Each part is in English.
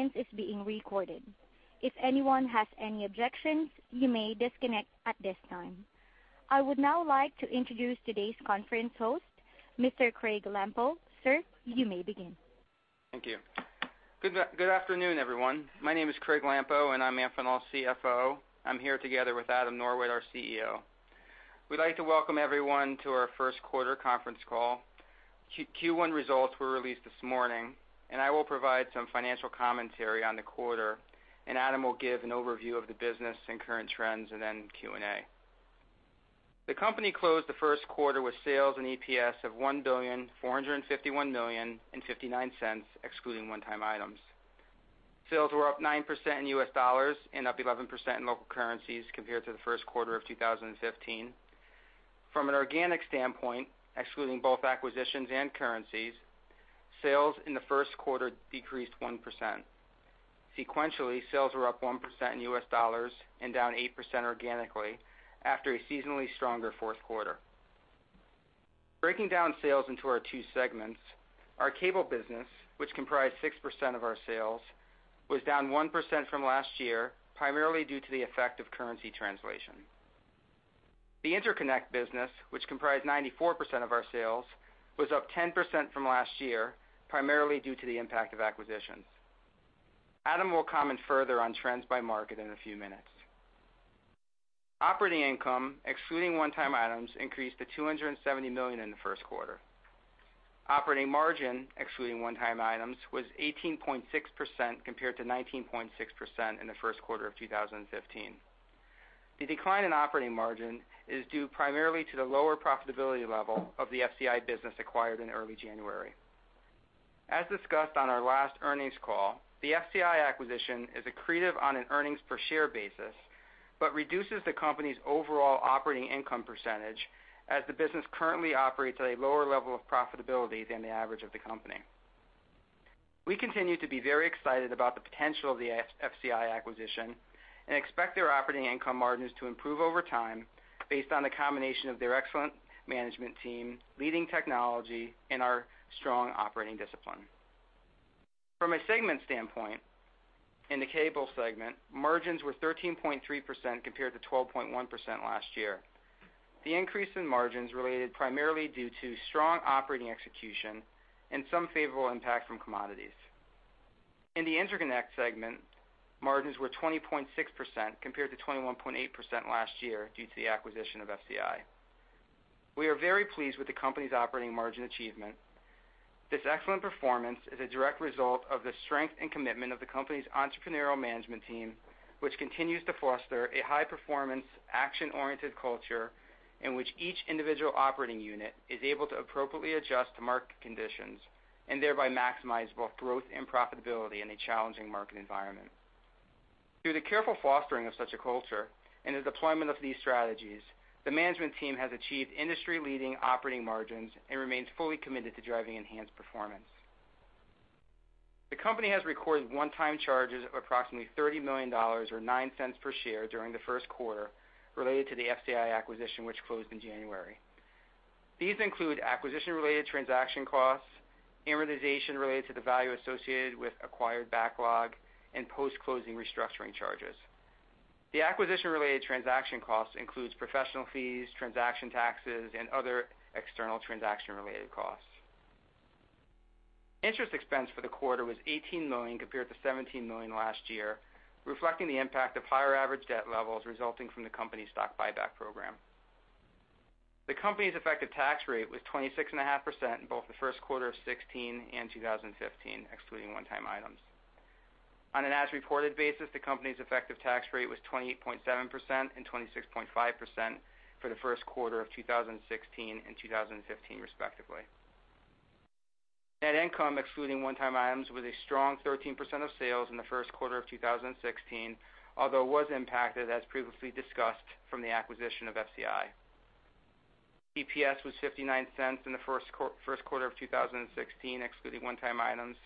line is being recorded. If anyone has any objections, you may disconnect at this time. I would now like to introduce today's conference host, Mr. Craig Lampo. Sir, you may begin. Thank you. Good afternoon, everyone. My name is Craig Lampo, and I'm Amphenol's CFO. I'm here together with Adam Norwitt, our CEO. We'd like to welcome everyone to our first quarter conference call. Q1 results were released this morning, and I will provide some financial commentary on the quarter, and Adam will give an overview of the business and current trends, and then Q&A. The company closed the first quarter with sales and EPS of $1,451 billion and $0.59, excluding one-time items. Sales were up 9% in U.S. dollars and up 11% in local currencies compared to the first quarter of 2015. From an organic standpoint, excluding both acquisitions and currencies, sales in the first quarter decreased 1%. Sequentially, sales were up 1% in U.S. dollars and down 8% organically after a seasonally stronger fourth quarter. Breaking down sales into our two segments, our cable business, which comprised 6% of our sales, was down 1% from last year, primarily due to the effect of currency translation. The interconnect business, which comprised 94% of our sales, was up 10% from last year, primarily due to the impact of acquisitions. Adam will comment further on trends by market in a few minutes. Operating income, excluding one-time items, increased to $270 million in the first quarter. Operating margin, excluding one-time items, was 18.6% compared to 19.6% in the first quarter of 2015. The decline in operating margin is due primarily to the lower profitability level of the FCI business acquired in early January. As discussed on our last earnings call, the FCI acquisition is accretive on an earnings per share basis but reduces the company's overall operating income percentage as the business currently operates at a lower level of profitability than the average of the company. We continue to be very excited about the potential of the FCI acquisition and expect their operating income margins to improve over time based on the combination of their excellent management team, leading technology, and our strong operating discipline. From a segment standpoint, in the cable segment, margins were 13.3% compared to 12.1% last year. The increase in margins related primarily due to strong operating execution and some favorable impact from commodities. In the interconnect segment, margins were 20.6% compared to 21.8% last year due to the acquisition of FCI. We are very pleased with the company's operating margin achievement. This excellent performance is a direct result of the strength and commitment of the company's entrepreneurial management team, which continues to foster a high-performance, action-oriented culture in which each individual operating unit is able to appropriately adjust to market conditions and thereby maximize both growth and profitability in a challenging market environment. Through the careful fostering of such a culture and the deployment of these strategies, the management team has achieved industry-leading operating margins and remains fully committed to driving enhanced performance. The company has recorded one-time charges of approximately $30 million or $0.09 per share during the first quarter related to the FCI acquisition, which closed in January. These include acquisition-related transaction costs, amortization related to the value associated with acquired backlog, and post-closing restructuring charges. The acquisition-related transaction costs include professional fees, transaction taxes, and other external transaction-related costs. Interest expense for the quarter was $18 million compared to $17 million last year, reflecting the impact of higher average debt levels resulting from the company's stock buyback program. The company's effective tax rate was 26.5% in both the first quarter of 2016 and 2015, excluding one-time items. On an as-reported basis, the company's effective tax rate was 28.7% and 26.5% for the first quarter of 2016 and 2015, respectively. Net income, excluding one-time items, was a strong 13% of sales in the first quarter of 2016, although it was impacted, as previously discussed, from the acquisition of FCI. EPS was $0.59 in the first quarter of 2016, excluding one-time items.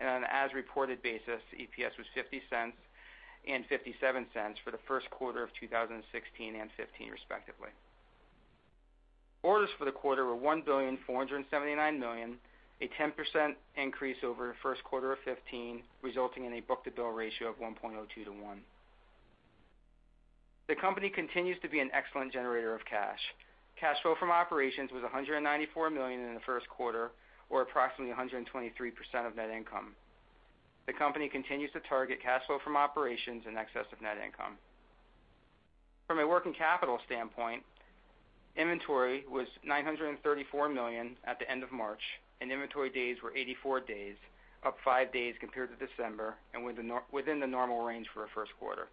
On an as-reported basis, EPS was $0.50 and $0.57 for the first quarter of 2016 and 2015, respectively. Orders for the quarter were $1,479 million, a 10% increase over the first quarter of 2015, resulting in a book-to-bill ratio of 1.02 to 1. The company continues to be an excellent generator of cash. Cash flow from operations was $194 million in the first quarter, or approximately 123% of net income. The company continues to target cash flow from operations in excess of net income. From a working capital standpoint, inventory was $934 million at the end of March, and inventory days were 84 days, up five days compared to December, and within the normal range for a first quarter.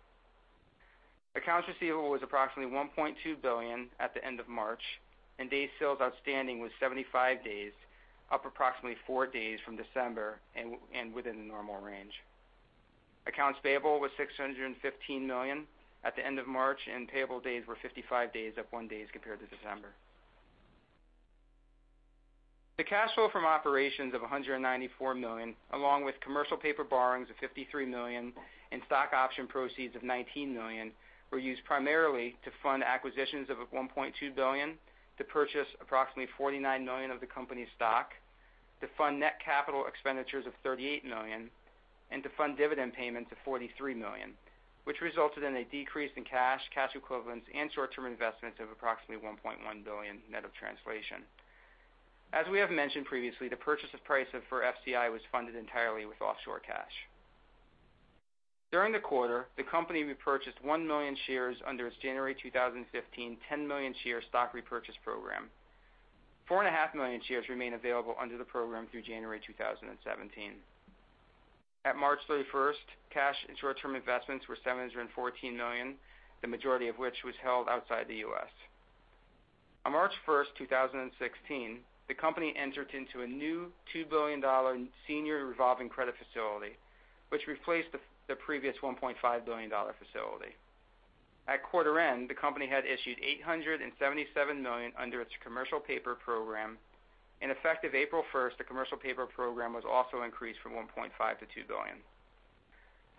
Accounts receivable was approximately $1.2 billion at the end of March, and days sales outstanding was 75 days, up approximately four days from December, and within the normal range. Accounts payable was $615 million at the end of March, and payable days were 55 days, up one day compared to December. The cash flow from operations of $194 million, along with commercial paper borrowings of $53 million and stock option proceeds of $19 million, were used primarily to fund acquisitions of $1.2 billion, to purchase approximately $49 million of the company's stock, to fund net capital expenditures of $38 million, and to fund dividend payments of $43 million, which resulted in a decrease in cash, cash equivalents, and short-term investments of approximately $1.1 billion net of translation. As we have mentioned previously, the purchase price for FCI was funded entirely with offshore cash. During the quarter, the company repurchased 1 million shares under its January 2015 10-million-share stock repurchase program. 4.5 million shares remain available under the program through January 2017. At March 31st, cash and short-term investments were $714 million, the majority of which was held outside the U.S. On March 1st, 2016, the company entered into a new $2 billion senior revolving credit facility, which replaced the previous $1.5 billion facility. At quarter end, the company had issued $877 million under its commercial paper program. Effective April 1st, the commercial paper program was also increased from $1.5 billion to $2 billion.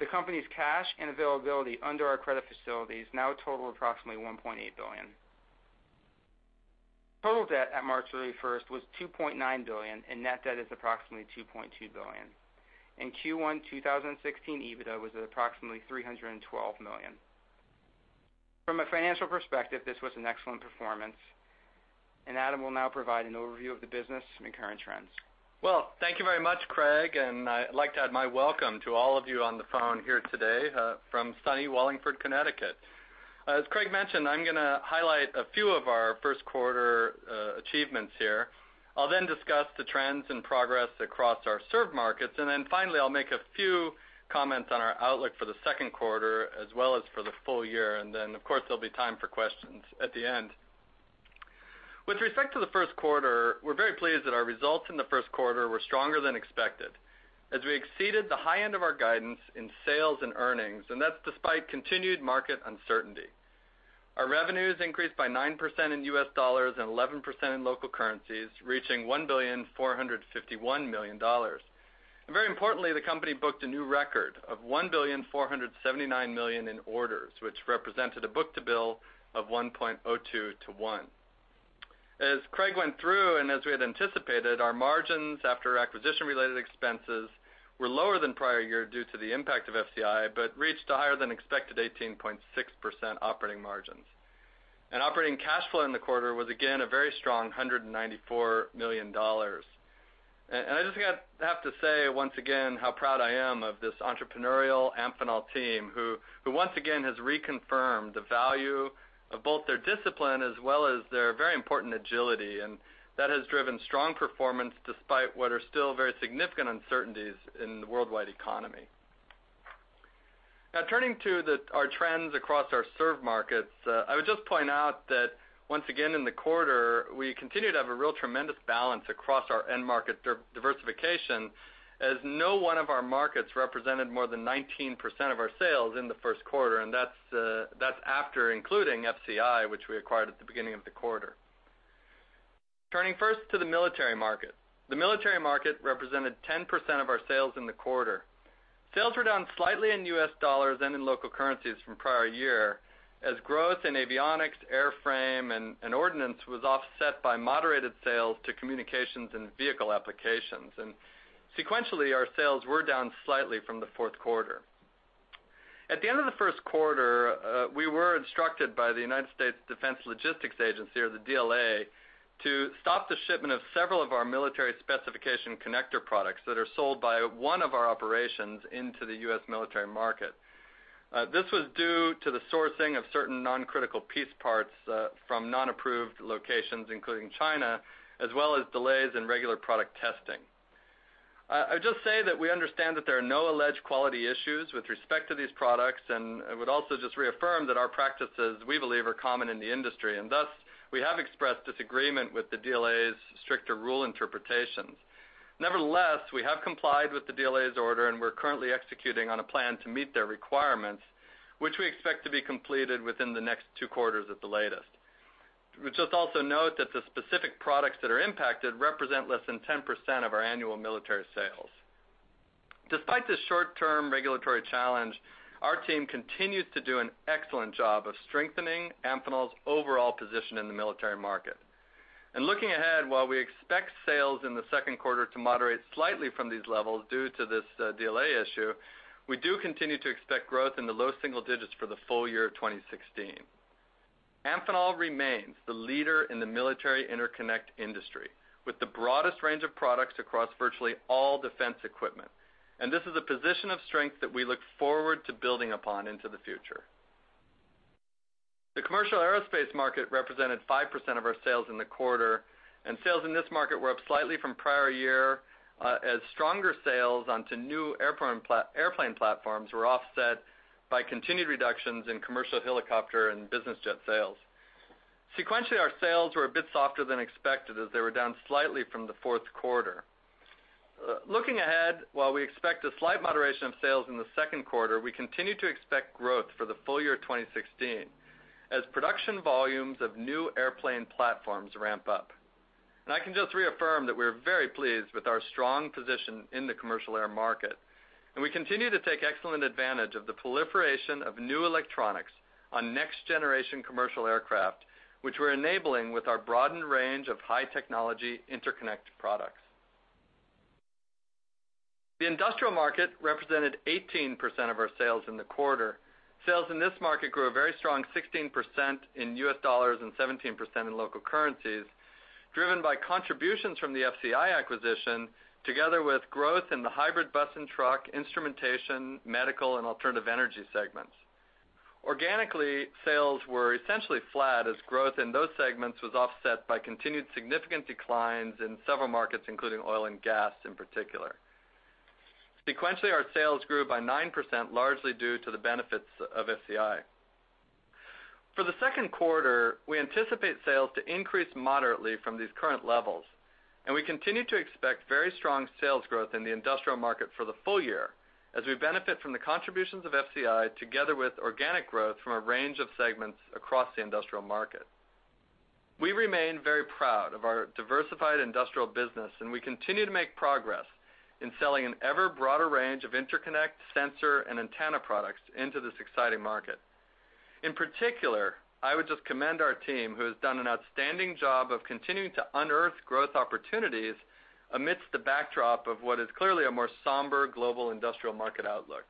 The company's cash and availability under our credit facilities now total approximately $1.8 billion. Total debt at March 31st was $2.9 billion, and net debt is approximately $2.2 billion. Q1 2016 EBITDA was approximately $312 million. From a financial perspective, this was an excellent performance, and Adam will now provide an overview of the business and current trends. Well, thank you very much, Craig, and I'd like to add my welcome to all of you on the phone here today from sunny Wallingford, Connecticut. As Craig mentioned, I'm going to highlight a few of our first quarter achievements here. I'll then discuss the trends and progress across our served markets, and then finally, I'll make a few comments on our outlook for the second quarter as well as for the full year, and then, of course, there'll be time for questions at the end. With respect to the first quarter, we're very pleased that our results in the first quarter were stronger than expected as we exceeded the high end of our guidance in sales and earnings, and that's despite continued market uncertainty. Our revenues increased by 9% in U.S. dollars and 11% in local currencies, reaching $1,451 million. Very importantly, the company booked a new record of $1,479 million in orders, which represented a book-to-bill of 1.02 to 1. As Craig went through, and as we had anticipated, our margins after acquisition-related expenses were lower than prior year due to the impact of FCI but reached a higher-than-expected 18.6% operating margins. Operating cash flow in the quarter was, again, a very strong $194 million. I just have to say, once again, how proud I am of this entrepreneurial Amphenol team who once again has reconfirmed the value of both their discipline as well as their very important agility, and that has driven strong performance despite what are still very significant uncertainties in the worldwide economy. Now, turning to our trends across our served markets, I would just point out that, once again, in the quarter, we continue to have a really tremendous balance across our end market diversification as no one of our markets represented more than 19% of our sales in the first quarter, and that's after including FCI, which we acquired at the beginning of the quarter. Turning first to the military market, the military market represented 10% of our sales in the quarter. Sales were down slightly in U.S. dollars and in local currencies from prior year as growth in avionics, airframe, and ordnance was offset by moderated sales to communications and vehicle applications, and sequentially, our sales were down slightly from the fourth quarter. At the end of the first quarter, we were instructed by the United States Defense Logistics Agency, or the DLA, to stop the shipment of several of our military specification connector products that are sold by one of our operations into the U.S. military market. This was due to the sourcing of certain non-critical piece parts from non-approved locations, including China, as well as delays in regular product testing. I would just say that we understand that there are no alleged quality issues with respect to these products, and I would also just reaffirm that our practices, we believe, are common in the industry, and thus, we have expressed disagreement with the DLA's stricter rule interpretations. Nevertheless, we have complied with the DLA's order, and we're currently executing on a plan to meet their requirements, which we expect to be completed within the next two quarters at the latest. We'll just also note that the specific products that are impacted represent less than 10% of our annual military sales. Despite this short-term regulatory challenge, our team continues to do an excellent job of strengthening Amphenol's overall position in the military market. Looking ahead, while we expect sales in the second quarter to moderate slightly from these levels due to this DLA issue, we do continue to expect growth in the low single digits for the full year of 2016. Amphenol remains the leader in the military interconnect industry with the broadest range of products across virtually all defense equipment, and this is a position of strength that we look forward to building upon into the future. The commercial aerospace market represented 5% of our sales in the quarter, and sales in this market were up slightly from prior year as stronger sales onto new airplane platforms were offset by continued reductions in commercial helicopter and business jet sales. Sequentially, our sales were a bit softer than expected as they were down slightly from the fourth quarter. Looking ahead, while we expect a slight moderation of sales in the second quarter, we continue to expect growth for the full year of 2016 as production volumes of new airplane platforms ramp up. I can just reaffirm that we're very pleased with our strong position in the commercial air market, and we continue to take excellent advantage of the proliferation of new electronics on next-generation commercial aircraft, which we're enabling with our broadened range of high-technology interconnect products. The industrial market represented 18% of our sales in the quarter. Sales in this market grew a very strong 16% in U.S. dollars and 17% in local currencies, driven by contributions from the FCI acquisition together with growth in the hybrid bus and truck, instrumentation, medical, and alternative energy segments. Organically, sales were essentially flat as growth in those segments was offset by continued significant declines in several markets, including oil and gas in particular. Sequentially, our sales grew by 9%, largely due to the benefits of FCI. For the second quarter, we anticipate sales to increase moderately from these current levels, and we continue to expect very strong sales growth in the industrial market for the full year as we benefit from the contributions of FCI together with organic growth from a range of segments across the industrial market. We remain very proud of our diversified industrial business, and we continue to make progress in selling an ever broader range of interconnect, sensor, and antenna products into this exciting market. In particular, I would just commend our team who has done an outstanding job of continuing to unearth growth opportunities amidst the backdrop of what is clearly a more somber global industrial market outlook.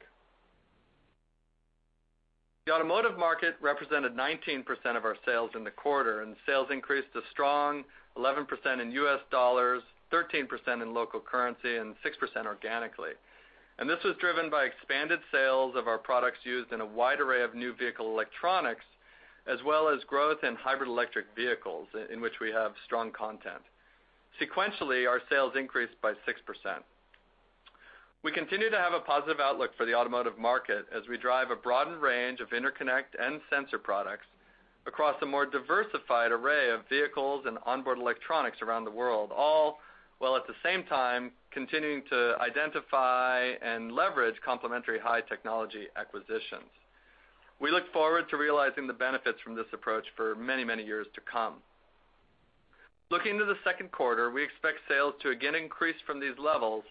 The automotive market represented 19% of our sales in the quarter, and sales increased a strong 11% in U.S. dollars, 13% in local currency, and 6% organically. And this was driven by expanded sales of our products used in a wide array of new vehicle electronics as well as growth in hybrid electric vehicles in which we have strong content. Sequentially, our sales increased by 6%. We continue to have a positive outlook for the automotive market as we drive a broadened range of interconnect and sensor products across a more diversified array of vehicles and onboard electronics around the world, all while, at the same time, continuing to identify and leverage complementary high-technology acquisitions. We look forward to realizing the benefits from this approach for many, many years to come. Looking to the second quarter, we expect sales to again increase from these levels,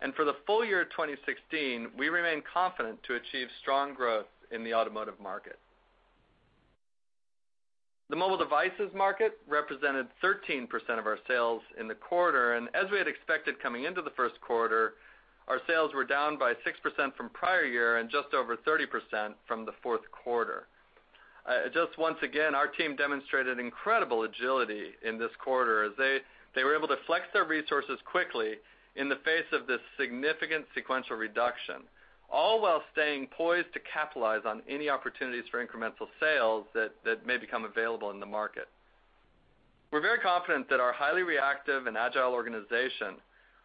and for the full year of 2016, we remain confident to achieve strong growth in the automotive market. The mobile devices market represented 13% of our sales in the quarter, and as we had expected coming into the first quarter, our sales were down by 6% from prior year and just over 30% from the fourth quarter. Just once again, our team demonstrated incredible agility in this quarter as they were able to flex their resources quickly in the face of this significant sequential reduction, all while staying poised to capitalize on any opportunities for incremental sales that may become available in the market. We're very confident that our highly reactive and agile organization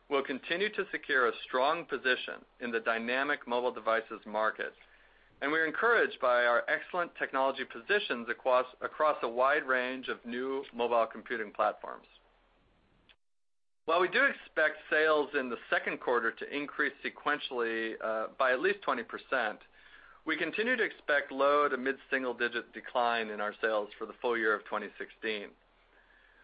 will continue to secure a strong position in the dynamic mobile devices market, and we're encouraged by our excellent technology positions across a wide range of new mobile computing platforms. While we do expect sales in the second quarter to increase sequentially by at least 20%, we continue to expect low to mid-single digit decline in our sales for the full year of 2016.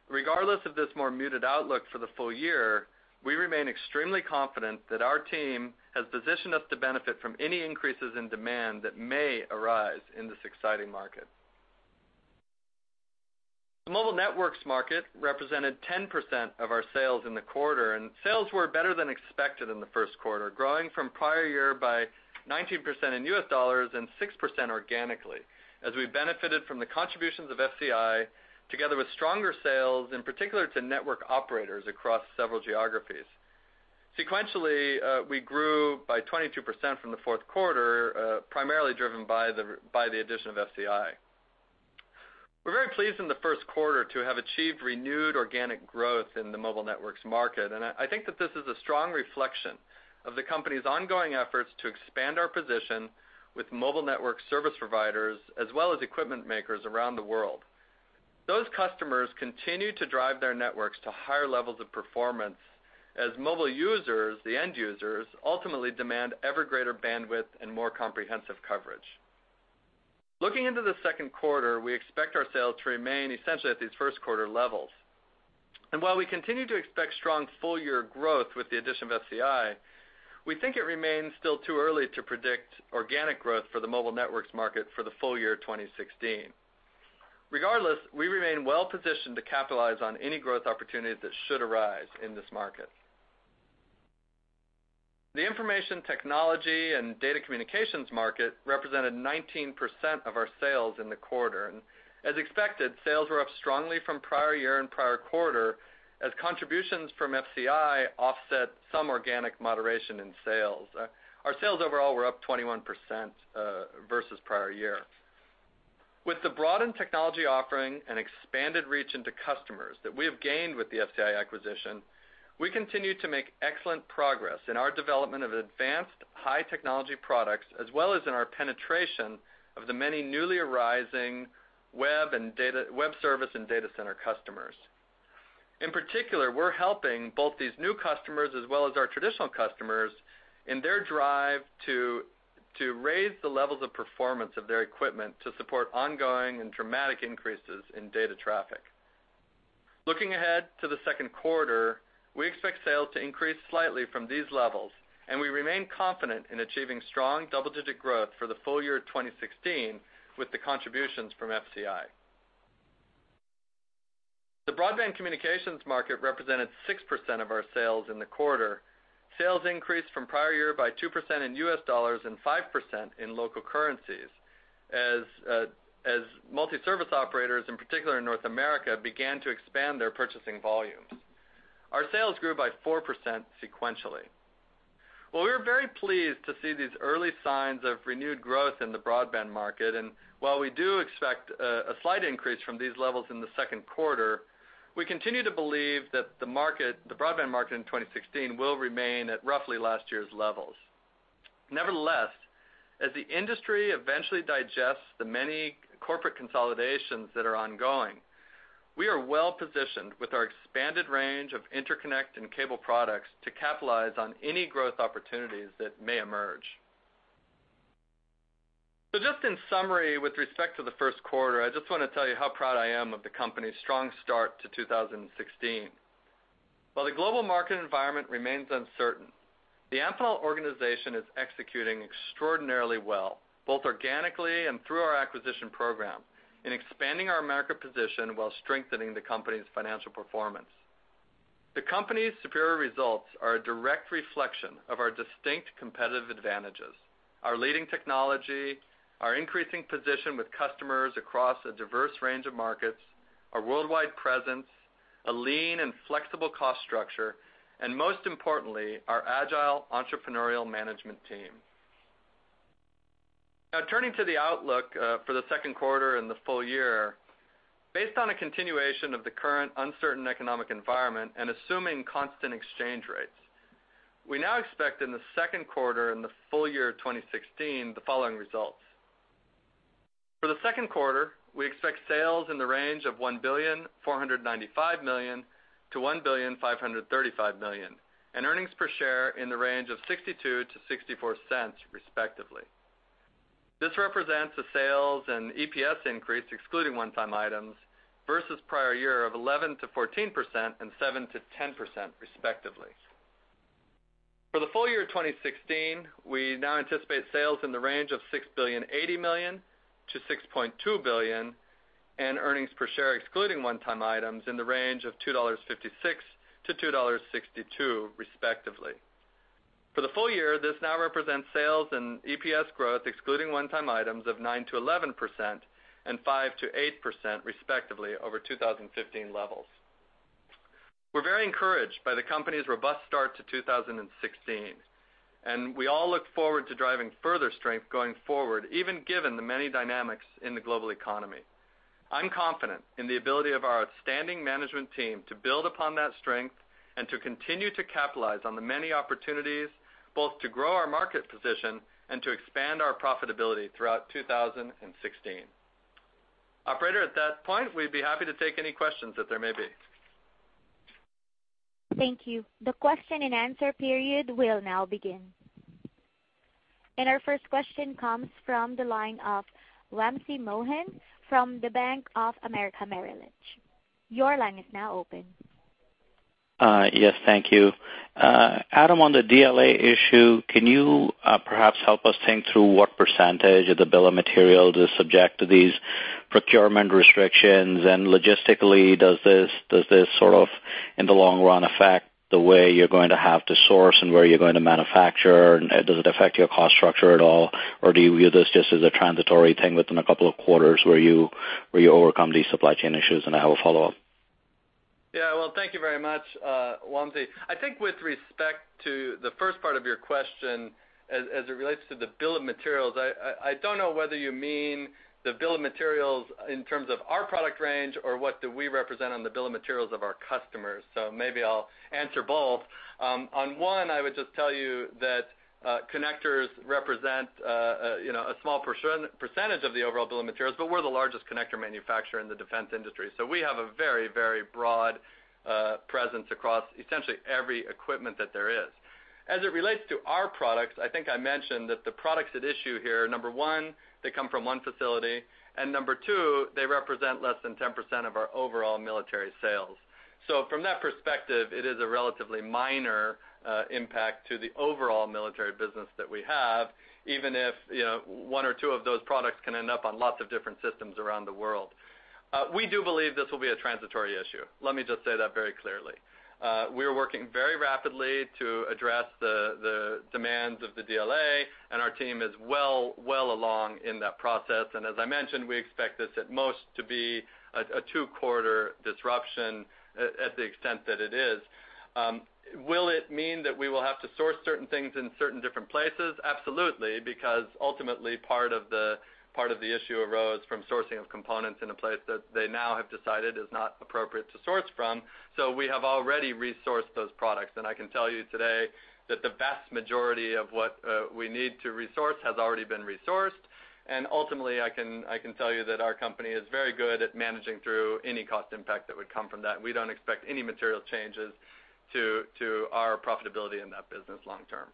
Regardless of this more muted outlook for the full year, we remain extremely confident that our team has positioned us to benefit from any increases in demand that may arise in this exciting market. The mobile networks market represented 10% of our sales in the quarter, and sales were better than expected in the first quarter, growing from prior year by 19% in U.S. dollars and 6% organically as we benefited from the contributions of FCI together with stronger sales, in particular, to network operators across several geographies. Sequentially, we grew by 22% from the fourth quarter, primarily driven by the addition of FCI. We're very pleased in the first quarter to have achieved renewed organic growth in the mobile networks market, and I think that this is a strong reflection of the company's ongoing efforts to expand our position with mobile network service providers as well as equipment makers around the world. Those customers continue to drive their networks to higher levels of performance as mobile users, the end users, ultimately demand ever greater bandwidth and more comprehensive coverage. Looking into the second quarter, we expect our sales to remain essentially at these first quarter levels. And while we continue to expect strong full-year growth with the addition of FCI, we think it remains still too early to predict organic growth for the mobile networks market for the full year 2016. Regardless, we remain well positioned to capitalize on any growth opportunities that should arise in this market. The information technology and data communications market represented 19% of our sales in the quarter, and as expected, sales were up strongly from prior year and prior quarter as contributions from FCI offset some organic moderation in sales. Our sales overall were up 21% versus prior year. With the broadened technology offering and expanded reach into customers that we have gained with the FCI acquisition, we continue to make excellent progress in our development of advanced high-technology products as well as in our penetration of the many newly arising web service and data center customers. In particular, we're helping both these new customers as well as our traditional customers in their drive to raise the levels of performance of their equipment to support ongoing and dramatic increases in data traffic. Looking ahead to the second quarter, we expect sales to increase slightly from these levels, and we remain confident in achieving strong double-digit growth for the full year of 2016 with the contributions from FCI. The broadband communications market represented 6% of our sales in the quarter. Sales increased from prior year by 2% in U.S. dollars and 5% in local currencies as multi-service operators, in particular, in North America, began to expand their purchasing volumes. Our sales grew by 4% sequentially. Well, we were very pleased to see these early signs of renewed growth in the broadband market, and while we do expect a slight increase from these levels in the second quarter, we continue to believe that the broadband market in 2016 will remain at roughly last year's levels. Nevertheless, as the industry eventually digests the many corporate consolidations that are ongoing, we are well positioned with our expanded range of interconnect and cable products to capitalize on any growth opportunities that may emerge. So just in summary, with respect to the first quarter, I just want to tell you how proud I am of the company's strong start to 2016. While the global market environment remains uncertain, the Amphenol organization is executing extraordinarily well, both organically and through our acquisition program, in expanding our Americas position while strengthening the company's financial performance. The company's superior results are a direct reflection of our distinct competitive advantages: our leading technology, our increasing position with customers across a diverse range of markets, our worldwide presence, a lean and flexible cost structure, and most importantly, our agile entrepreneurial management team. Now, turning to the outlook for the second quarter and the full year, based on a continuation of the current uncertain economic environment and assuming constant exchange rates, we now expect in the second quarter and the full year of 2016 the following results. For the second quarter, we expect sales in the range of $1,495 million-$1,535 million and earnings per share in the range of $0.62-$0.64, respectively. This represents the sales and EPS increase, excluding one-time items, versus prior year of 11%-14% and 7%-10%, respectively. For the full year of 2016, we now anticipate sales in the range of $6,080 million-$6.2 billion and earnings per share, excluding one-time items, in the range of $2.56-$2.62, respectively. For the full year, this now represents sales and EPS growth, excluding one-time items, of 9%-11% and 5%-8%, respectively, over 2015 levels. We're very encouraged by the company's robust start to 2016, and we all look forward to driving further strength going forward, even given the many dynamics in the global economy. I'm confident in the ability of our outstanding management team to build upon that strength and to continue to capitalize on the many opportunities, both to grow our market position and to expand our profitability throughout 2016. Operator, at that point, we'd be happy to take any questions that there may be. Thank you. The question and answer period will now begin. Our first question comes from the line of Wamsi Mohan from the Bank of America Merrill Lynch. Your line is now open. Yes, thank you. Adam, on the DLA issue, can you perhaps help us think through what percentage of the bill of materials is subject to these procurement restrictions? And logistically, does this sort of, in the long run, affect the way you're going to have to source and where you're going to manufacture? Does it affect your cost structure at all, or do you view this just as a transitory thing within a couple of quarters where you overcome these supply chain issues? And I have a follow-up. Yeah, well, thank you very much, Wamsi. I think with respect to the first part of your question as it relates to the bill of materials, I don't know whether you mean the bill of materials in terms of our product range or what do we represent on the bill of materials of our customers. So maybe I'll answer both. On one, I would just tell you that connectors represent a small percentage of the overall bill of materials, but we're the largest connector manufacturer in the defense industry. So we have a very, very broad presence across essentially every equipment that there is. As it relates to our products, I think I mentioned that the products at issue here, number one, they come from one facility, and number two, they represent less than 10% of our overall military sales. So from that perspective, it is a relatively minor impact to the overall military business that we have, even if one or two of those products can end up on lots of different systems around the world. We do believe this will be a transitory issue. Let me just say that very clearly. We are working very rapidly to address the demands of the DLA, and our team is well along in that process. And as I mentioned, we expect this at most to be a two-quarter disruption at the extent that it is. Will it mean that we will have to source certain things in certain different places? Absolutely, because ultimately part of the issue arose from sourcing of components in a place that they now have decided is not appropriate to source from. So we have already resourced those products, and I can tell you today that the vast majority of what we need to resource has already been resourced. And ultimately, I can tell you that our company is very good at managing through any cost impact that would come from that. We don't expect any material changes to our profitability in that business long term.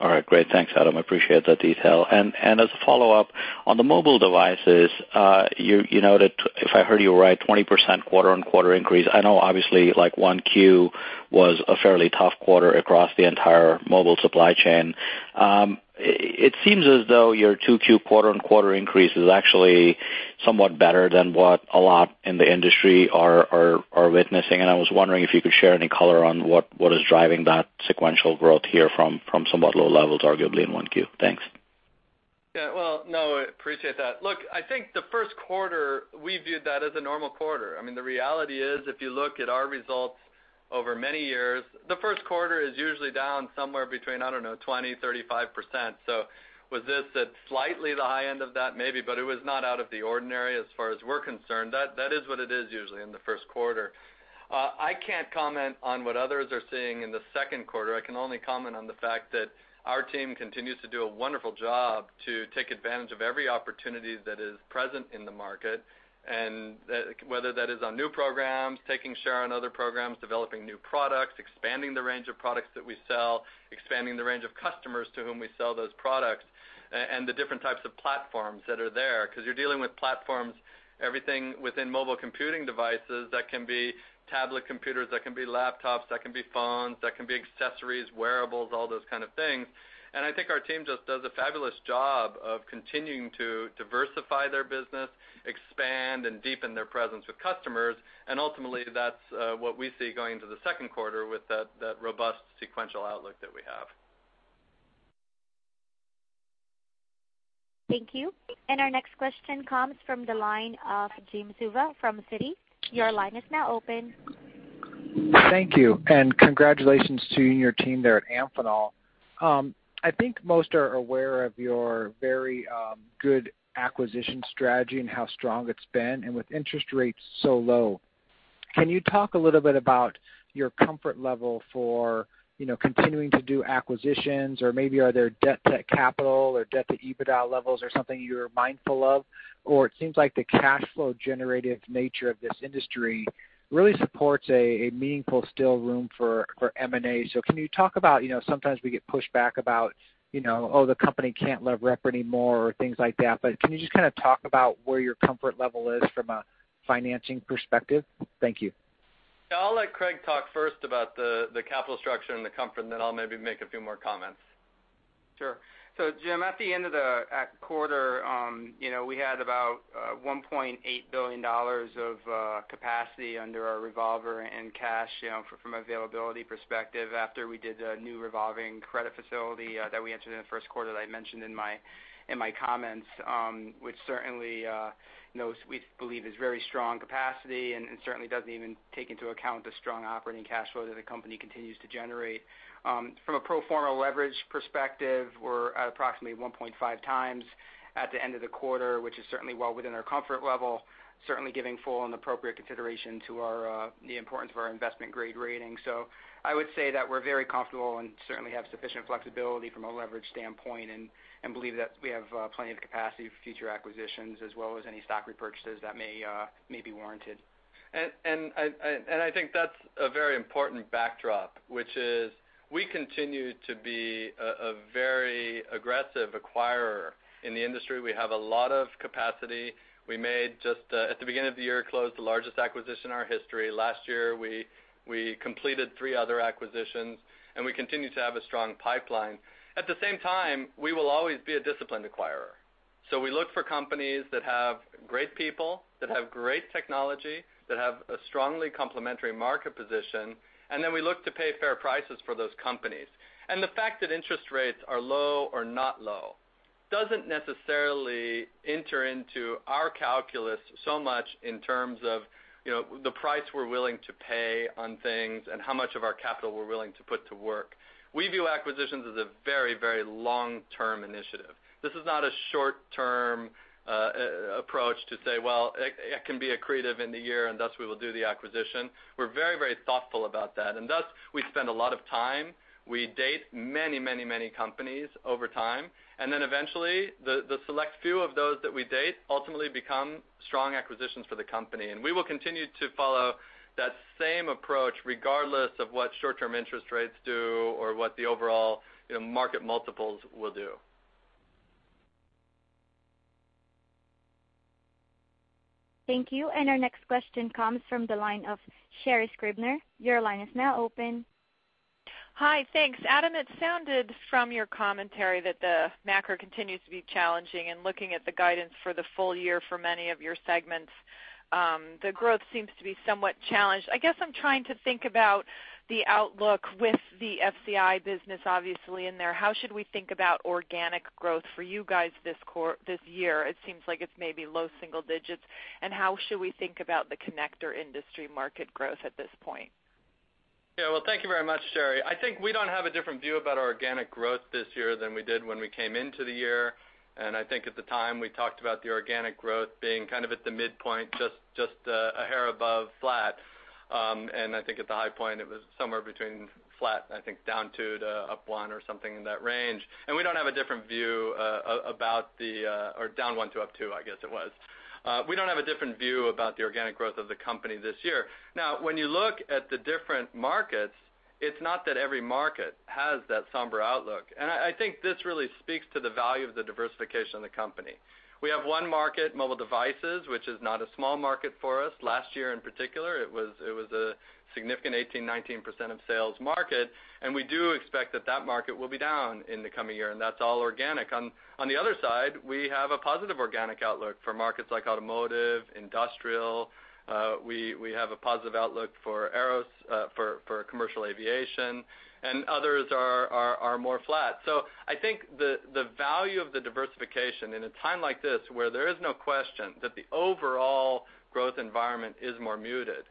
All right, great. Thanks, Adam. I appreciate that detail. And as a follow-up, on the mobile devices, you noted, if I heard you right, 20% quarter-on-quarter increase. I know, obviously, 1Q was a fairly tough quarter across the entire mobile supply chain. It seems as though your 2Q quarter-on-quarter increase is actually somewhat better than what a lot in the industry are witnessing, and I was wondering if you could share any color on what is driving that sequential growth here from somewhat low levels, arguably, in 1Q. Thanks. Yeah, well, no, I appreciate that. Look, I think the first quarter, we viewed that as a normal quarter. I mean, the reality is, if you look at our results over many years, the first quarter is usually down somewhere between, I don't know, 20%-35%. So was this at slightly the high end of that? Maybe, but it was not out of the ordinary as far as we're concerned. That is what it is usually in the first quarter. I can't comment on what others are seeing in the second quarter. I can only comment on the fact that our team continues to do a wonderful job to take advantage of every opportunity that is present in the market, and whether that is on new programs, taking share on other programs, developing new products, expanding the range of products that we sell, expanding the range of customers to whom we sell those products, and the different types of platforms that are there. Because you're dealing with platforms, everything within mobile computing devices that can be tablet computers, that can be laptops, that can be phones, that can be accessories, wearables, all those kind of things. I think our team just does a fabulous job of continuing to diversify their business, expand, and deepen their presence with customers, and ultimately, that's what we see going into the second quarter with that robust sequential outlook that we have. Thank you. Our next question comes from the line of Jim Suva from Citi. Your line is now open. Thank you. Congratulations to you and your team there at Amphenol. I think most are aware of your very good acquisition strategy and how strong it's been and with interest rates so low. Can you talk a little bit about your comfort level for continuing to do acquisitions, or maybe are there debt to capital or debt to EBITDA levels or something you're mindful of? It seems like the cash flow generative nature of this industry really supports a meaningful still room for M&A. Can you talk about sometimes we get pushed back about, "Oh, the company can't lever up anymore," or things like that. Can you just kind of talk about where your comfort level is from a financing perspective? Thank you. I'll let Craig talk first about the capital structure and the comfort, and then I'll maybe make a few more comments. Sure. So Jim. At the end of the quarter, we had about $1.8 billion of capacity under our revolver and cash from availability perspective after we did a new revolving credit facility that we entered in the first quarter that I mentioned in my comments, which certainly we believe is very strong capacity and certainly doesn't even take into account the strong operating cash flow that the company continues to generate. From a pro forma leverage perspective, we're at approximately 1.5 times at the end of the quarter, which is certainly well within our comfort level, certainly giving full and appropriate consideration to the importance of our investment grade rating. So I would say that we're very comfortable and certainly have sufficient flexibility from a leverage standpoint and believe that we have plenty of capacity for future acquisitions as well as any stock repurchases that may be warranted. And I think that's a very important backdrop, which is we continue to be a very aggressive acquirer in the industry. We have a lot of capacity. We made just at the beginning of the year, closed the largest acquisition in our history. Last year, we completed three other acquisitions, and we continue to have a strong pipeline. At the same time, we will always be a disciplined acquirer. So we look for companies that have great people, that have great technology, that have a strongly complementary market position, and then we look to pay fair prices for those companies. And the fact that interest rates are low or not low doesn't necessarily enter into our calculus so much in terms of the price we're willing to pay on things and how much of our capital we're willing to put to work. We view acquisitions as a very, very long-term initiative. This is not a short-term approach to say, "Well, it can be accretive in the year, and thus we will do the acquisition." We're very, very thoughtful about that. And thus, we spend a lot of time. We date many, many, many companies over time, and then eventually, the select few of those that we date ultimately become strong acquisitions for the company. And we will continue to follow that same approach regardless of what short-term interest rates do or what the overall market multiples will do. Thank you. Our next question comes from the line of Sherri Scribner. Your line is now open. Hi, thanks. Adam, it sounded from your commentary that the macro continues to be challenging, and looking at the guidance for the full year for many of your segments, the growth seems to be somewhat challenged. I guess I'm trying to think about the outlook with the FCI business, obviously, in there. How should we think about organic growth for you guys this year? It seems like it's maybe low single digits. And how should we think about the connector industry market growth at this point? Yeah, well, thank you very much, Sherri. I think we don't have a different view about organic growth this year than we did when we came into the year. And I think at the time, we talked about the organic growth being kind of at the midpoint, just a hair above flat. And I think at the high point, it was somewhere between flat, I think, down two to up one or something in that range. And we don't have a different view about the or down one to up two, I guess it was. We don't have a different view about the organic growth of the company this year. Now, when you look at the different markets, it's not that every market has that somber outlook. And I think this really speaks to the value of the diversification of the company. We have one market, mobile devices, which is not a small market for us. Last year, in particular, it was a significant 18%-19% of sales market, and we do expect that that market will be down in the coming year, and that's all organic. On the other side, we have a positive organic outlook for markets like automotive, industrial. We have a positive outlook for commercial aviation, and others are more flat. So I think the value of the diversification in a time like this, where there is no question that the overall growth environment is more muted,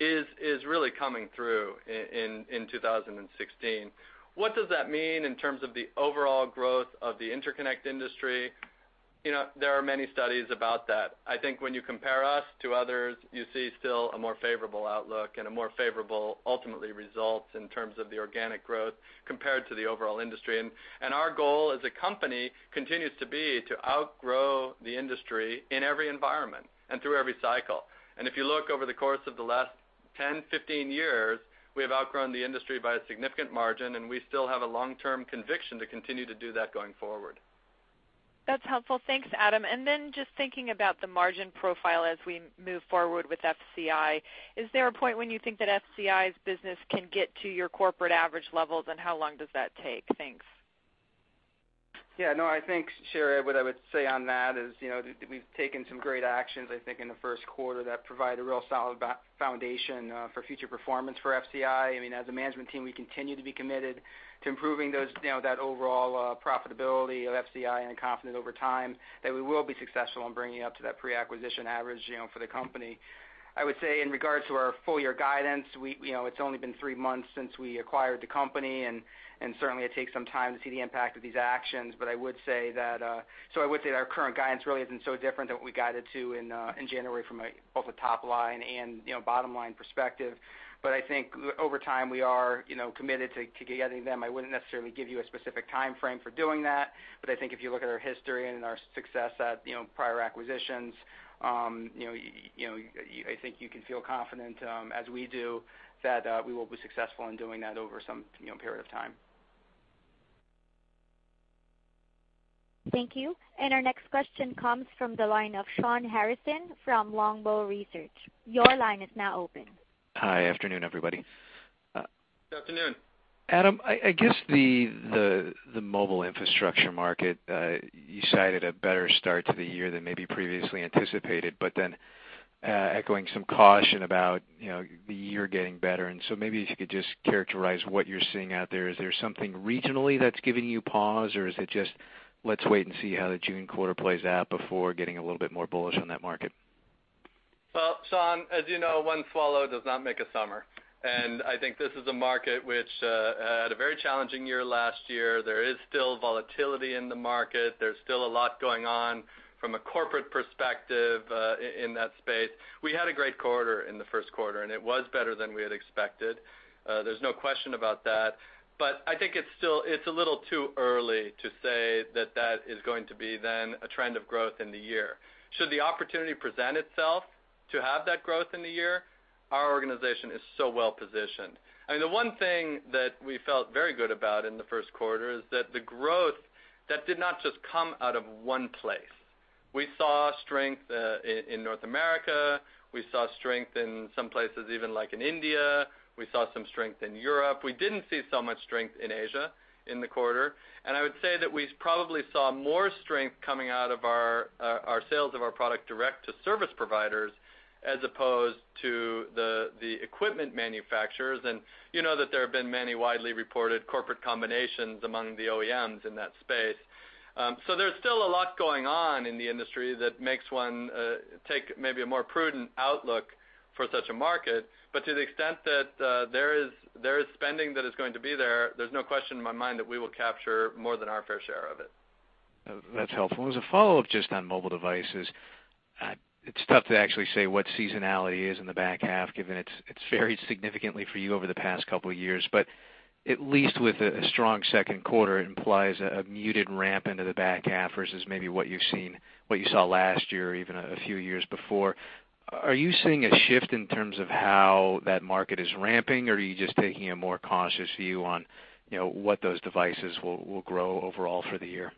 is really coming through in 2016. What does that mean in terms of the overall growth of the interconnect industry? There are many studies about that. I think when you compare us to others, you see still a more favorable outlook and a more favorable ultimately result in terms of the organic growth compared to the overall industry. Our goal as a company continues to be to outgrow the industry in every environment and through every cycle. If you look over the course of the last 10-15 years, we have outgrown the industry by a significant margin, and we still have a long-term conviction to continue to do that going forward. That's helpful. Thanks, Adam. And then just thinking about the margin profile as we move forward with FCI, is there a point when you think that FCI's business can get to your corporate average levels, and how long does that take? Thanks. Yeah, no, I think, Sherri, what I would say on that is we've taken some great actions, I think, in the first quarter that provide a real solid foundation for future performance for FCI. I mean, as a management team, we continue to be committed to improving that overall profitability of FCI and confident over time that we will be successful in bringing up to that pre-acquisition average for the company. I would say in regards to our full year guidance, it's only been three months since we acquired the company, and certainly, it takes some time to see the impact of these actions, but I would say that so I would say that our current guidance really isn't so different than what we guided to in January from both a top line and bottom line perspective. But I think over time, we are committed to getting them. I wouldn't necessarily give you a specific time frame for doing that, but I think if you look at our history and our success at prior acquisitions, I think you can feel confident as we do that we will be successful in doing that over some period of time. Thank you. Our next question comes from the line of Shawn Harrison from Longbow Research. Your line is now open. Hi, afternoon, everybody. Good afternoon. Adam, I guess the mobile infrastructure market, you cited a better start to the year than maybe previously anticipated, but then echoing some caution about the year getting better. And so maybe if you could just characterize what you're seeing out there, is there something regionally that's giving you pause, or is it just, "Let's wait and see how the June quarter plays out before getting a little bit more bullish on that market"? Well, Shawn, as you know, one swallow does not make a summer. I think this is a market which had a very challenging year last year. There is still volatility in the market. There's still a lot going on from a corporate perspective in that space. We had a great quarter in the first quarter, and it was better than we had expected. There's no question about that. But I think it's a little too early to say that that is going to be then a trend of growth in the year. Should the opportunity present itself to have that growth in the year, our organization is so well positioned. I mean, the one thing that we felt very good about in the first quarter is that the growth that did not just come out of one place. We saw strength in North America. We saw strength in some places, even like in India. We saw some strength in Europe. We didn't see so much strength in Asia in the quarter. And I would say that we probably saw more strength coming out of our sales of our product direct to service providers as opposed to the equipment manufacturers, and you know that there have been many widely reported corporate combinations among the OEMs in that space. So there's still a lot going on in the industry that makes one take maybe a more prudent outlook for such a market. But to the extent that there is spending that is going to be there, there's no question in my mind that we will capture more than our fair share of it. That's helpful. As a follow-up just on mobile devices, it's tough to actually say what seasonality is in the back half, given it's varied significantly for you over the past couple of years. But at least with a strong second quarter, it implies a muted ramp into the back half versus maybe what you saw last year or even a few years before. Are you seeing a shift in terms of how that market is ramping, or are you just taking a more cautious view on what those devices will grow overall for the year?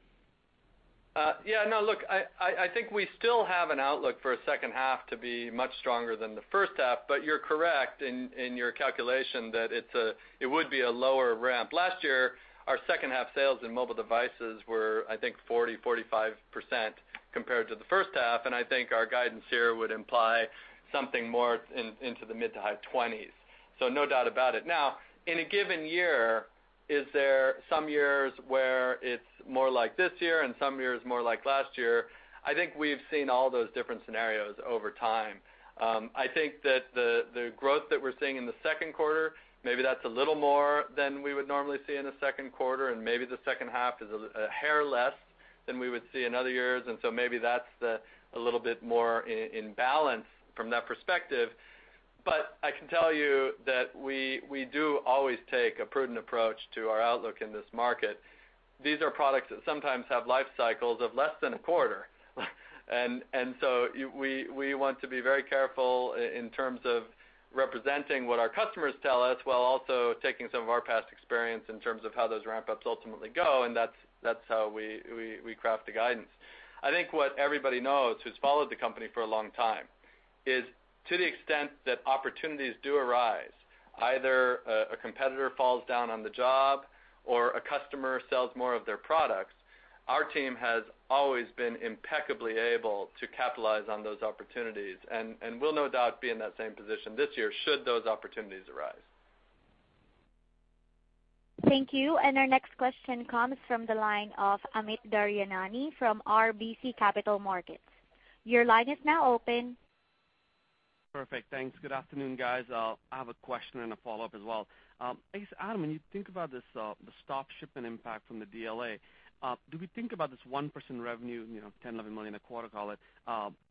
Yeah, no, look, I think we still have an outlook for a second half to be much stronger than the first half, but you're correct in your calculation that it would be a lower ramp. Last year, our second half sales in mobile devices were, I think, 40%-45% compared to the first half, and I think our guidance here would imply something more into the mid- to high 20s. So no doubt about it. Now, in a given year, is there some years where it's more like this year and some years more like last year? I think we've seen all those different scenarios over time. I think that the growth that we're seeing in the second quarter, maybe that's a little more than we would normally see in a second quarter, and maybe the second half is a hair less than we would see in other years. So maybe that's a little bit more in balance from that perspective. But I can tell you that we do always take a prudent approach to our outlook in this market. These are products that sometimes have life cycles of less than a quarter. So we want to be very careful in terms of representing what our customers tell us while also taking some of our past experience in terms of how those ramp-ups ultimately go, and that's how we craft the guidance. I think what everybody knows who's followed the company for a long time is to the extent that opportunities do arise, either a competitor falls down on the job or a customer sells more of their products, our team has always been impeccably able to capitalize on those opportunities and will no doubt be in that same position this year should those opportunities arise. Thank you. And our next question comes from the line of Amit Daryanani from RBC Capital Markets. Your line is now open. Perfect. Thanks. Good afternoon, guys. I have a question and a follow-up as well. I guess, Adam, when you think about the stop shipment impact from the DLA, do we think about this 1% revenue, $10-$11 million a quarter, call it,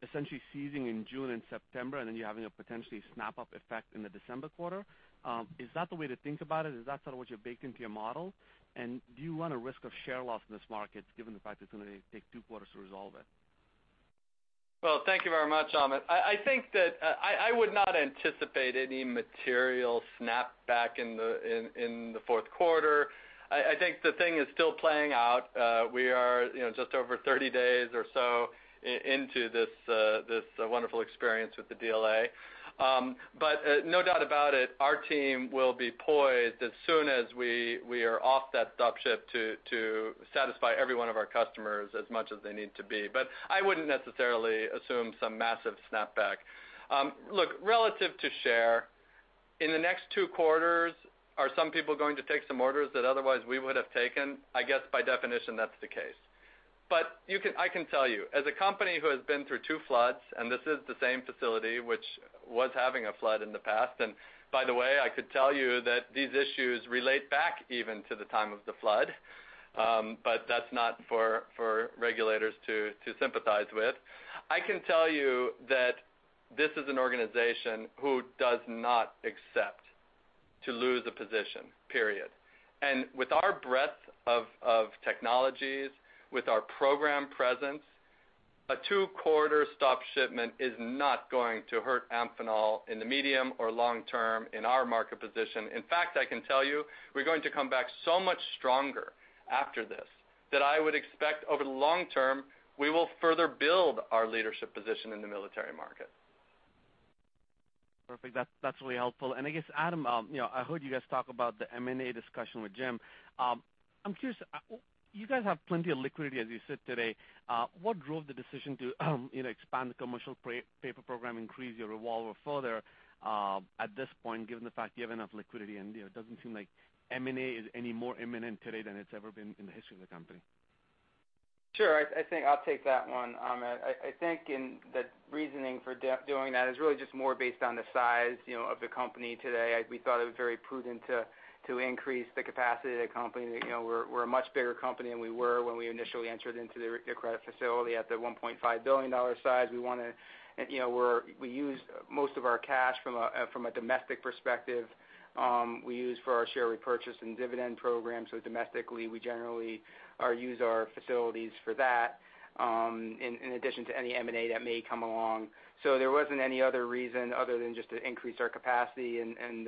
essentially ceasing in June and September, and then you're having a potentially snap-up effect in the December quarter? Is that the way to think about it? Is that sort of what you baked into your model? And do you run a risk of share loss in this market given the fact it's going to take two quarters to resolve it? Well, thank you very much, Amit. I think that I would not anticipate any material snap-back in the fourth quarter. I think the thing is still playing out. We are just over 30 days or so into this wonderful experience with the DLA. But no doubt about it, our team will be poised as soon as we are off that stop shipment to satisfy every one of our customers as much as they need to be. But I wouldn't necessarily assume some massive snap-back. Look, relative to share, in the next two quarters, are some people going to take some orders that otherwise we would have taken? I guess by definition, that's the case. But I can tell you, as a company who has been through two floods, and this is the same facility which was having a flood in the past, and by the way, I could tell you that these issues relate back even to the time of the flood, but that's not for regulators to sympathize with. I can tell you that this is an organization who does not accept to lose a position, period. And with our breadth of technologies, with our program presence, a two quarter stop shipment is not going to hurt Amphenol in the medium or long term in our market position. In fact, I can tell you, we're going to come back so much stronger after this that I would expect over the long term, we will further build our leadership position in the military market. Perfect. That's really helpful. I guess, Adam, I heard you guys talk about the M&A discussion with Jim. I'm curious, you guys have plenty of liquidity as you sit today. What drove the decision to expand the commercial paper program, increase your revolver further at this point, given the fact you have enough liquidity? It doesn't seem like M&A is any more imminent today than it's ever been in the history of the company. Sure. I think I'll take that one. I think the reasoning for doing that is really just more based on the size of the company today. We thought it was very prudent to increase the capacity of the company. We're a much bigger company than we were when we initially entered into the credit facility at the $1.5 billion size. We want to use most of our cash from a domestic perspective. We use for our share repurchase and dividend program. So domestically, we generally use our facilities for that in addition to any M&A that may come along. So there wasn't any other reason other than just to increase our capacity and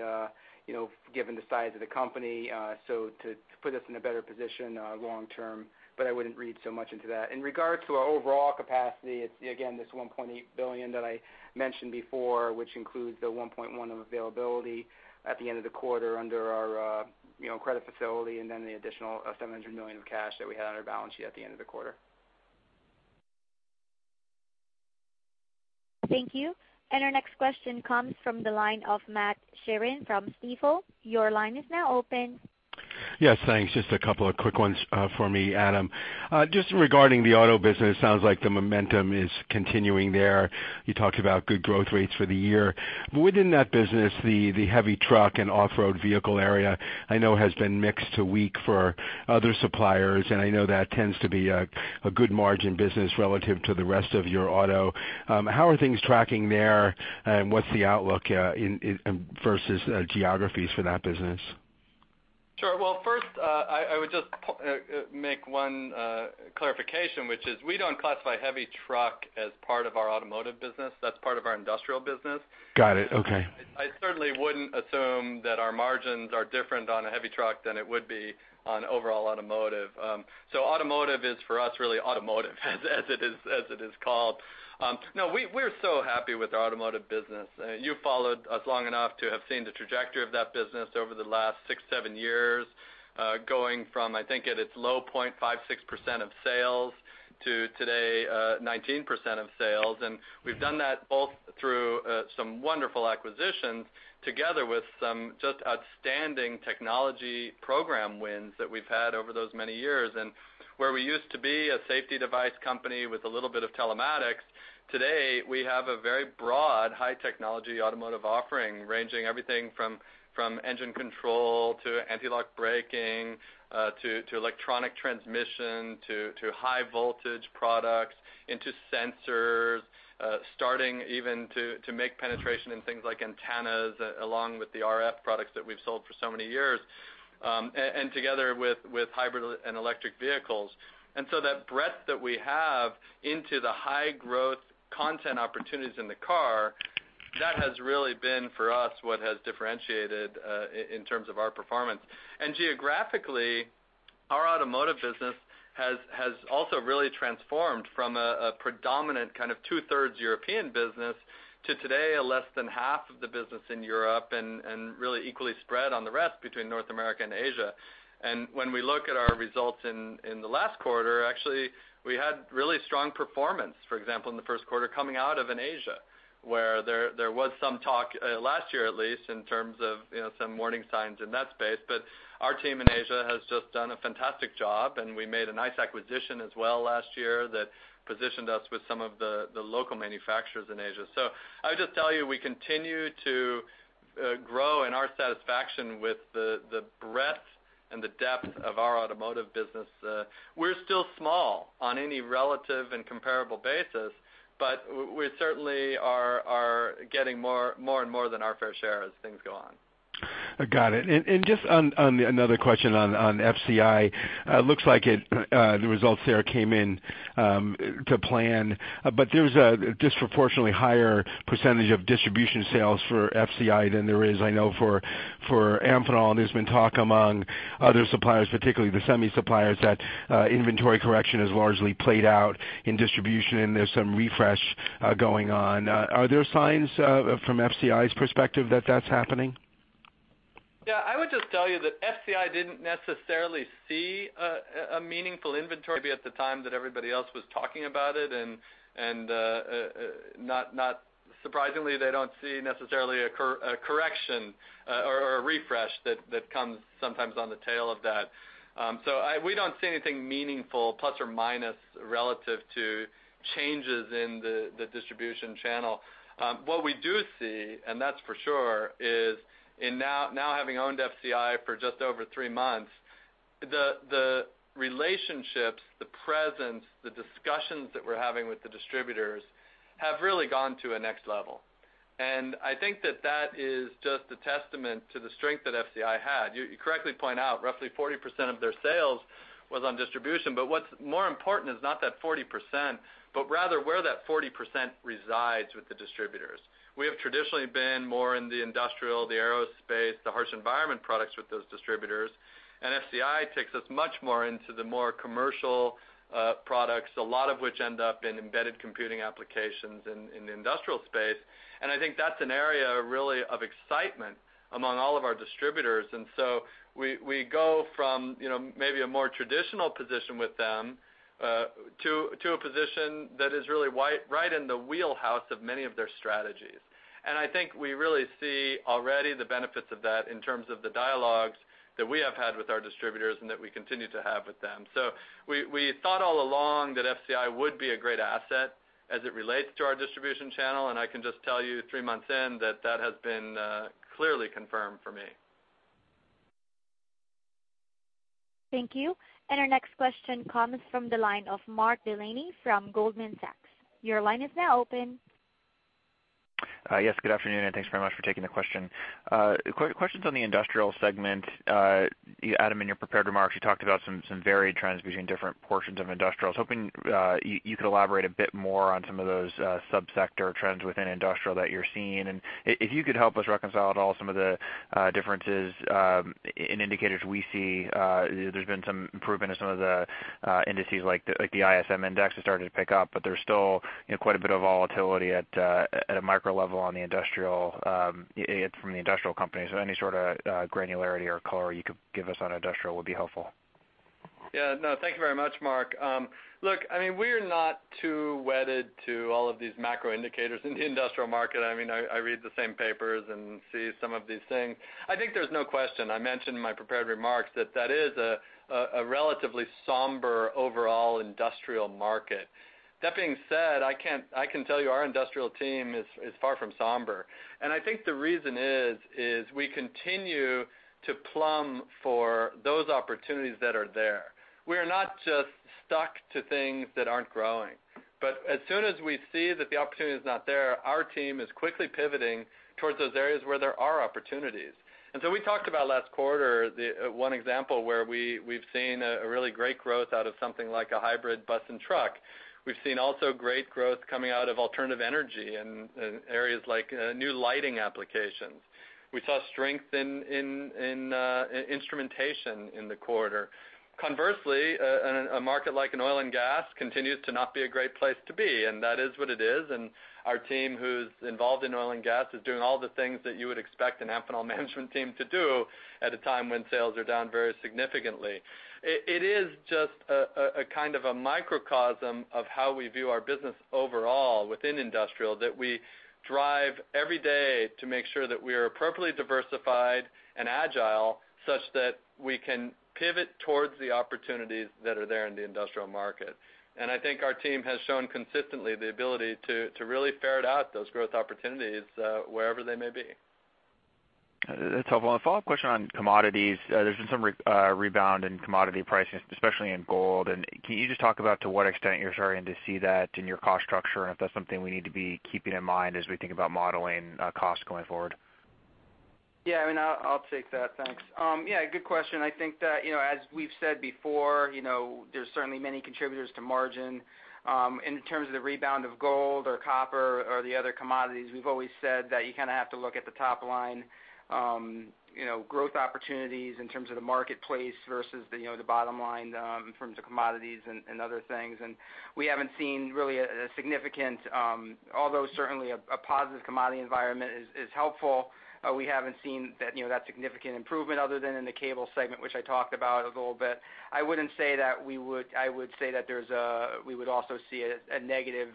given the size of the company. So to put us in a better position long term, but I wouldn't read so much into that. In regards to our overall capacity, it's, again, this $1.8 billion that I mentioned before, which includes the $1.1 billion of availability at the end of the quarter under our credit facility and then the additional $700 million of cash that we had on our balance sheet at the end of the quarter. Thank you. Our next question comes from the line of Matt Sheerin from Stifel. Your line is now open. Yes, thanks. Just a couple of quick ones for me, Adam. Just regarding the auto business, it sounds like the momentum is continuing there. You talked about good growth rates for the year. Within that business, the heavy truck and off-road vehicle area I know has been mixed to weak for other suppliers, and I know that tends to be a good margin business relative to the rest of your auto. How are things tracking there, and what's the outlook versus geographies for that business? Sure. Well, first, I would just make one clarification, which is we don't classify heavy truck as part of our automotive business. That's part of our industrial business. Got it. Okay. I certainly wouldn't assume that our margins are different on a heavy truck than it would be on overall automotive. So automotive is for us really automotive as it is called. No, we're so happy with our automotive business. You've followed us long enough to have seen the trajectory of that business over the last six to seven years, going from, I think, at its low point, 5%-6% of sales to today, 19% of sales. And we've done that both through some wonderful acquisitions together with some just outstanding technology program wins that we've had over those many years. Where we used to be a safety device company with a little bit of telematics, today we have a very broad high-technology automotive offering ranging everything from engine control to anti-lock braking to electronic transmission to high-voltage products into sensors, starting even to make penetration in things like antennas along with the RF products that we've sold for so many years, and together with hybrid and electric vehicles. So that breadth that we have into the high-growth content opportunities in the car, that has really been for us what has differentiated in terms of our performance. Geographically, our automotive business has also really transformed from a predominant kind of two-thirds European business to today a less than half of the business in Europe and really equally spread on the rest between North America and Asia. When we look at our results in the last quarter, actually, we had really strong performance, for example, in the first quarter coming out of in Asia, where there was some talk last year at least in terms of some warning signs in that space. But our team in Asia has just done a fantastic job, and we made a nice acquisition as well last year that positioned us with some of the local manufacturers in Asia. So I would just tell you, we continue to grow in our satisfaction with the breadth and the depth of our automotive business. We're still small on any relative and comparable basis, but we certainly are getting more and more than our fair share as things go on. Got it. Just another question on FCI. It looks like the results there came in to plan, but there's a disproportionately higher percentage of distribution sales for FCI than there is, I know, for Amphenol. There's been talk among other suppliers, particularly the semi suppliers, that inventory correction has largely played out in distribution, and there's some refresh going on. Are there signs from FCI's perspective that that's happening? Yeah. I would just tell you that FCI didn't necessarily see a meaningful inventory at the time that everybody else was talking about it. And not surprisingly, they don't see necessarily a correction or a refresh that comes sometimes on the tail of that. So we don't see anything meaningful, plus or minus, relative to changes in the distribution channel. What we do see, and that's for sure, is now having owned FCI for just over three months, the relationships, the presence, the discussions that we're having with the distributors have really gone to a next level. And I think that that is just a testament to the strength that FCI had. You correctly point out roughly 40% of their sales was on distribution. But what's more important is not that 40%, but rather where that 40% resides with the distributors. We have traditionally been more in the industrial, the aerospace, the harsh environment products with those distributors. FCI takes us much more into the more commercial products, a lot of which end up in embedded computing applications in the industrial space. I think that's an area really of excitement among all of our distributors. So we go from maybe a more traditional position with them to a position that is really right in the wheelhouse of many of their strategies. I think we really see already the benefits of that in terms of the dialogues that we have had with our distributors and that we continue to have with them. We thought all along that FCI would be a great asset as it relates to our distribution channel. I can just tell you three months in that that has been clearly confirmed for me. Thank you. And our next question comes from the line of Mark Delaney from Goldman Sachs. Your line is now open. Yes. Good afternoon, and thanks very much for taking the question. Questions on the industrial segment. Adam, in your prepared remarks, you talked about some varied trends between different portions of industrials. Hoping you could elaborate a bit more on some of those subsector trends within industrial that you're seeing. And if you could help us reconcile at all some of the differences in indicators we see, there's been some improvement in some of the indices like the ISM index has started to pick up, but there's still quite a bit of volatility at a micro level on the industrial from the industrial company. So any sort of granularity or color you could give us on industrial would be helpful. Yeah. No, thank you very much, Mark. Look, I mean, we're not too wedded to all of these macro indicators in the industrial market. I mean, I read the same papers and see some of these things. I think there's no question. I mentioned in my prepared remarks that that is a relatively somber overall industrial market. That being said, I can tell you our industrial team is far from somber. And I think the reason is we continue to plumb for those opportunities that are there. We are not just stuck to things that aren't growing. But as soon as we see that the opportunity is not there, our team is quickly pivoting towards those areas where there are opportunities. And so we talked about last quarter one example where we've seen a really great growth out of something like a hybrid bus and truck. We've seen also great growth coming out of alternative energy in areas like new lighting applications. We saw strength in instrumentation in the quarter. Conversely, a market like an oil and gas continues to not be a great place to be. And that is what it is. And our team who's involved in oil and gas is doing all the things that you would expect an Amphenol management team to do at a time when sales are down very significantly. It is just a kind of a microcosm of how we view our business overall within industrial that we drive every day to make sure that we are appropriately diversified and agile such that we can pivot towards the opportunities that are there in the industrial market. And I think our team has shown consistently the ability to really ferret out those growth opportunities wherever they may be. That's helpful. A follow-up question on commodities. There's been some rebound in commodity pricing, especially in gold. And can you just talk about to what extent you're starting to see that in your cost structure and if that's something we need to be keeping in mind as we think about modeling costs going forward? Yeah. I mean, I'll take that. Thanks. Yeah. Good question. I think that as we've said before, there's certainly many contributors to margin. In terms of the rebound of gold or copper or the other commodities, we've always said that you kind of have to look at the top line growth opportunities in terms of the marketplace versus the bottom line in terms of commodities and other things. And we haven't seen really a significant, although certainly a positive commodity environment is helpful. We haven't seen that significant improvement other than in the cable segment, which I talked about a little bit. I wouldn't say that we would. I would say that there's a we would also see a negative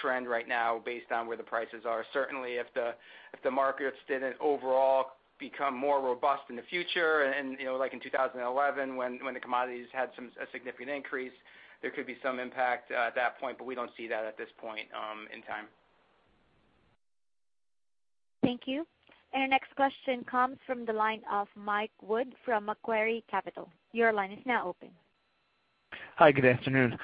trend right now based on where the prices are. Certainly, if the markets didn't overall become more robust in the future, like in 2011 when the commodities had a significant increase, there could be some impact at that point, but we don't see that at this point in time. Thank you. Our next question comes from the line of Mike Wood from Macquarie Capital. Your line is now open. Hi. Good afternoon.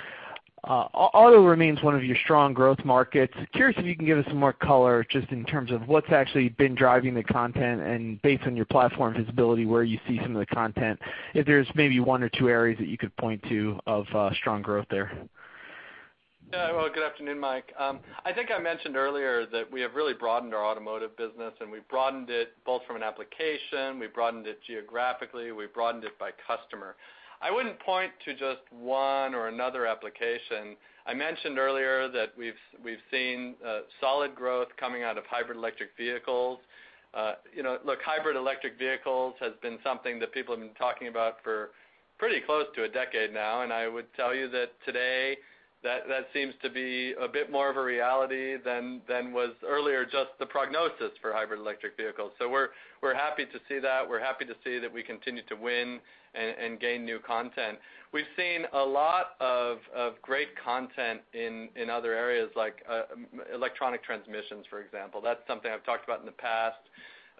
Auto remains one of your strong growth markets. Curious if you can give us some more color just in terms of what's actually been driving the content and based on your platform visibility where you see some of the content, if there's maybe one or two areas that you could point to of strong growth there. Yeah. Well, good afternoon, Mike. I think I mentioned earlier that we have really broadened our automotive business, and we've broadened it both from an application. We've broadened it geographically. We've broadened it by customer. I wouldn't point to just one or another application. I mentioned earlier that we've seen solid growth coming out of hybrid electric vehicles. Look, hybrid electric vehicles has been something that people have been talking about for pretty close to a decade now. And I would tell you that today that seems to be a bit more of a reality than was earlier just the prognosis for hybrid electric vehicles. So we're happy to see that. We're happy to see that we continue to win and gain new content. We've seen a lot of great content in other areas like electronic transmissions, for example. That's something I've talked about in the past.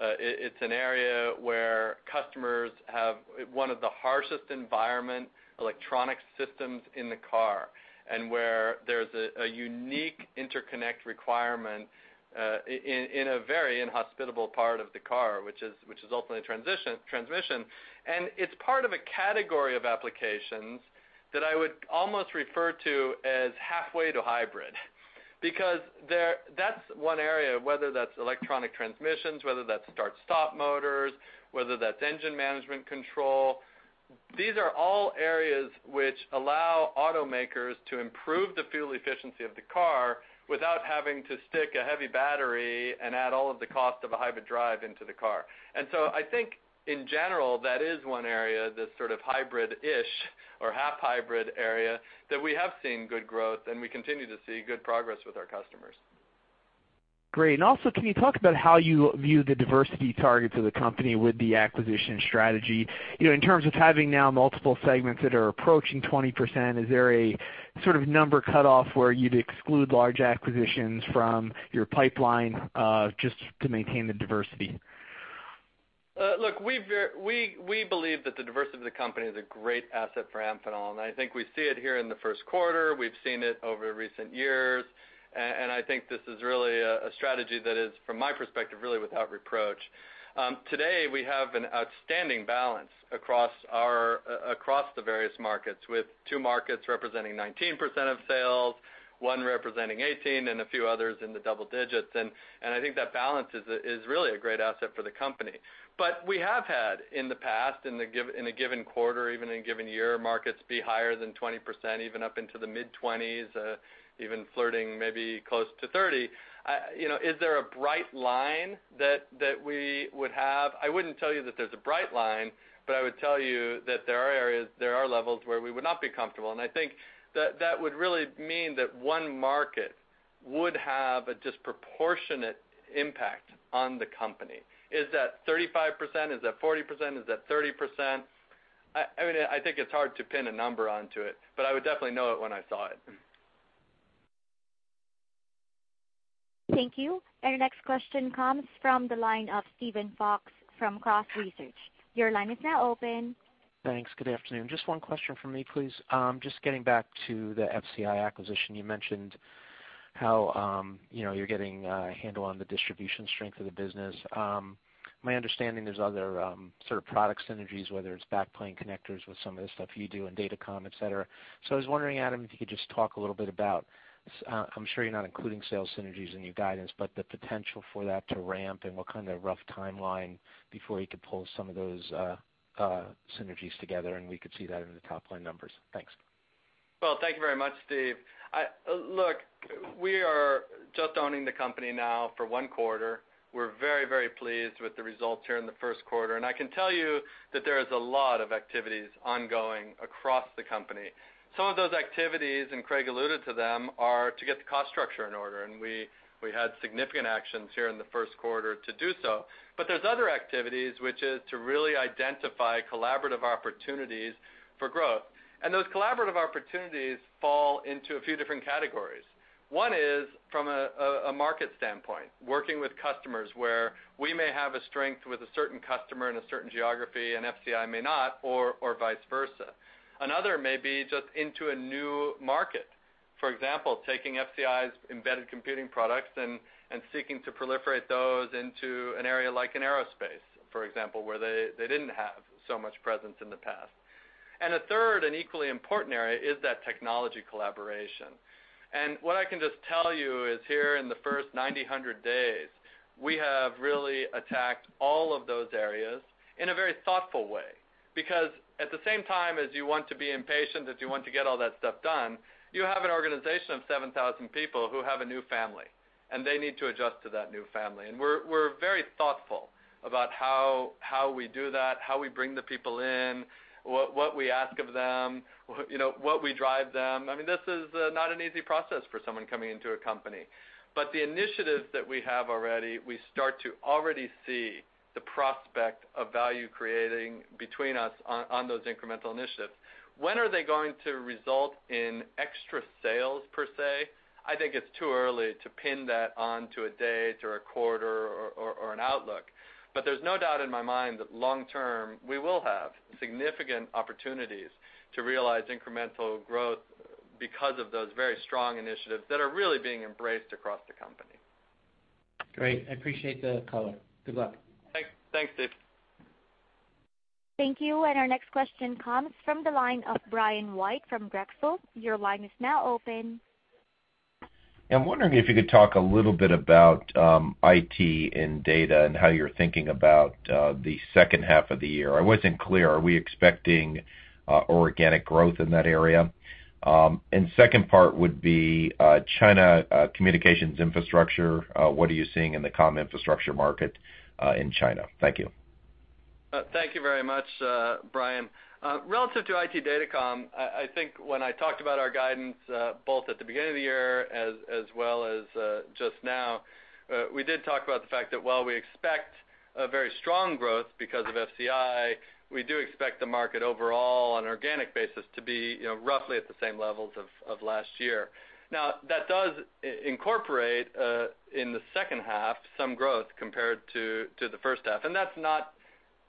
It's an area where customers have one of the harshest environment electronic systems in the car and where there's a unique interconnect requirement in a very inhospitable part of the car, which is ultimately transmission. And it's part of a category of applications that I would almost refer to as halfway to hybrid because that's one area, whether that's electronic transmissions, whether that's start-stop motors, whether that's engine management control. These are all areas which allow automakers to improve the fuel efficiency of the car without having to stick a heavy battery and add all of the cost of a hybrid drive into the car. And so I think in general that is one area, this sort of hybrid-ish or half-hybrid area that we have seen good growth and we continue to see good progress with our customers. Great. And also, can you talk about how you view the diversity targets of the company with the acquisition strategy in terms of having now multiple segments that are approaching 20%? Is there a sort of number cutoff where you'd exclude large acquisitions from your pipeline just to maintain the diversity? Look, we believe that the diversity of the company is a great asset for Amphenol. I think we see it here in the first quarter. We've seen it over recent years. I think this is really a strategy that is, from my perspective, really without reproach. Today, we have an outstanding balance across the various markets with two markets representing 19% of sales, one representing 18%, and a few others in the double digits. I think that balance is really a great asset for the company. But we have had in the past, in a given quarter, even in a given year, markets be higher than 20%, even up into the mid-20s, even flirting maybe close to 30%. Is there a bright line that we would have? I wouldn't tell you that there's a bright line, but I would tell you that there are areas, there are levels where we would not be comfortable. And I think that would really mean that one market would have a disproportionate impact on the company. Is that 35%? Is that 40%? Is that 30%? I mean, I think it's hard to pin a number onto it, but I would definitely know it when I saw it. Thank you. And our next question comes from the line of Steven Fox from Cross Research. Your line is now open. Thanks. Good afternoon. Just one question from me, please. Just getting back to the FCI acquisition, you mentioned how you're getting a handle on the distribution strength of the business. My understanding there's other sort of product synergies, whether it's backplane connectors with some of the stuff you do and Datacom, etc. So I was wondering, Adam, if you could just talk a little bit about, I'm sure you're not including sales synergies in your guidance, but the potential for that to ramp and what kind of rough timeline before you could pull some of those synergies together, and we could see that in the top line numbers. Thanks. Well, thank you very much, Steve. Look, we are just owning the company now for one quarter. We're very, very pleased with the results here in the first quarter. And I can tell you that there is a lot of activities ongoing across the company. Some of those activities, and Craig alluded to them, are to get the cost structure in order. And we had significant actions here in the first quarter to do so. But there's other activities, which is to really identify collaborative opportunities for growth. And those collaborative opportunities fall into a few different categories. One is from a market standpoint, working with customers where we may have a strength with a certain customer in a certain geography and FCI may not or vice versa. Another may be just into a new market, for example, taking FCI's embedded computing products and seeking to proliferate those into an area like an aerospace, for example, where they didn't have so much presence in the past. And a third and equally important area is that technology collaboration. And what I can just tell you is here in the first 9,000 days, we have really attacked all of those areas in a very thoughtful way because at the same time as you want to be impatient, as you want to get all that stuff done, you have an organization of 7,000 people who have a new family, and they need to adjust to that new family. And we're very thoughtful about how we do that, how we bring the people in, what we ask of them, what we drive them. I mean, this is not an easy process for someone coming into a company. But the initiatives that we have already, we start to already see the prospect of value creating between us on those incremental initiatives. When are they going to result in extra sales per se? I think it's too early to pin that onto a date or a quarter or an outlook. But there's no doubt in my mind that long-term, we will have significant opportunities to realize incremental growth because of those very strong initiatives that are really being embraced across the company. Great. I appreciate the color. Good luck. Thanks, Steve. Thank you. Our next question comes from the line of Brian White from Drexel. Your line is now open. I'm wondering if you could talk a little bit about IT and data and how you're thinking about the second half of the year. I wasn't clear. Are we expecting organic growth in that area? And second part would be China communications infrastructure. What are you seeing in the comm infrastructure market in China? Thank you. Thank you very much, Brian. Relative to IT Datacom, I think when I talked about our guidance both at the beginning of the year as well as just now, we did talk about the fact that while we expect very strong growth because of FCI, we do expect the market overall on an organic basis to be roughly at the same levels of last year. Now, that does incorporate in the second half some growth compared to the first half. And that's not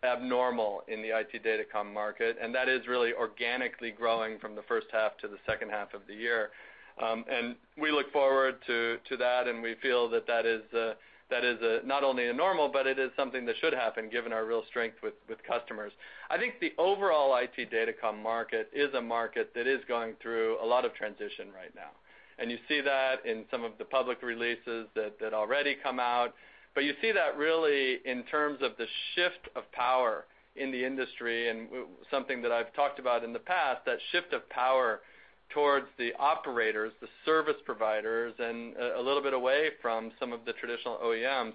abnormal in the IT Datacom market. And that is really organically growing from the first half to the second half of the year. And we look forward to that. And we feel that that is not only normal, but it is something that should happen given our real strength with customers. I think the overall IT Datacom market is a market that is going through a lot of transition right now. You see that in some of the public releases that already come out. You see that really in terms of the shift of power in the industry and something that I've talked about in the past, that shift of power towards the operators, the service providers, and a little bit away from some of the traditional OEMs.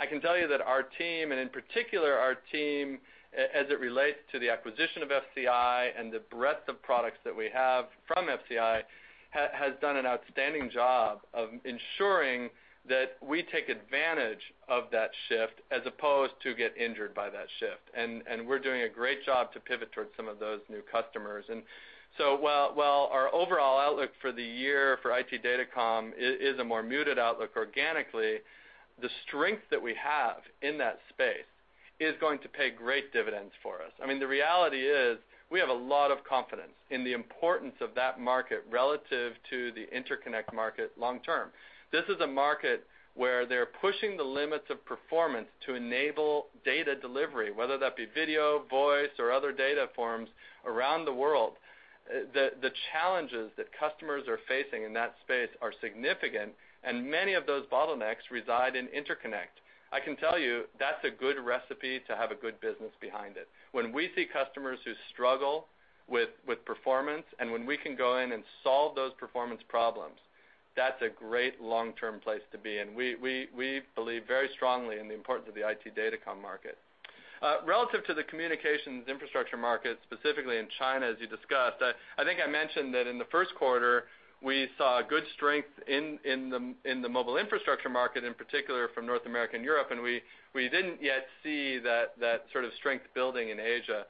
I can tell you that our team, and in particular our team, as it relates to the acquisition of FCI and the breadth of products that we have from FCI, has done an outstanding job of ensuring that we take advantage of that shift as opposed to get injured by that shift. We're doing a great job to pivot towards some of those new customers. And so while our overall outlook for the year for IT Datacom is a more muted outlook organically, the strength that we have in that space is going to pay great dividends for us. I mean, the reality is we have a lot of confidence in the importance of that market relative to the interconnect market long-term. This is a market where they're pushing the limits of performance to enable data delivery, whether that be video, voice, or other data forms around the world. The challenges that customers are facing in that space are significant, and many of those bottlenecks reside in interconnect. I can tell you that's a good recipe to have a good business behind it. When we see customers who struggle with performance and when we can go in and solve those performance problems, that's a great long-term place to be. We believe very strongly in the importance of the IT Datacom market. Relative to the communications infrastructure market, specifically in China, as you discussed, I think I mentioned that in the first quarter, we saw good strength in the mobile infrastructure market, in particular from North America and Europe. We didn't yet see that sort of strength building in Asia.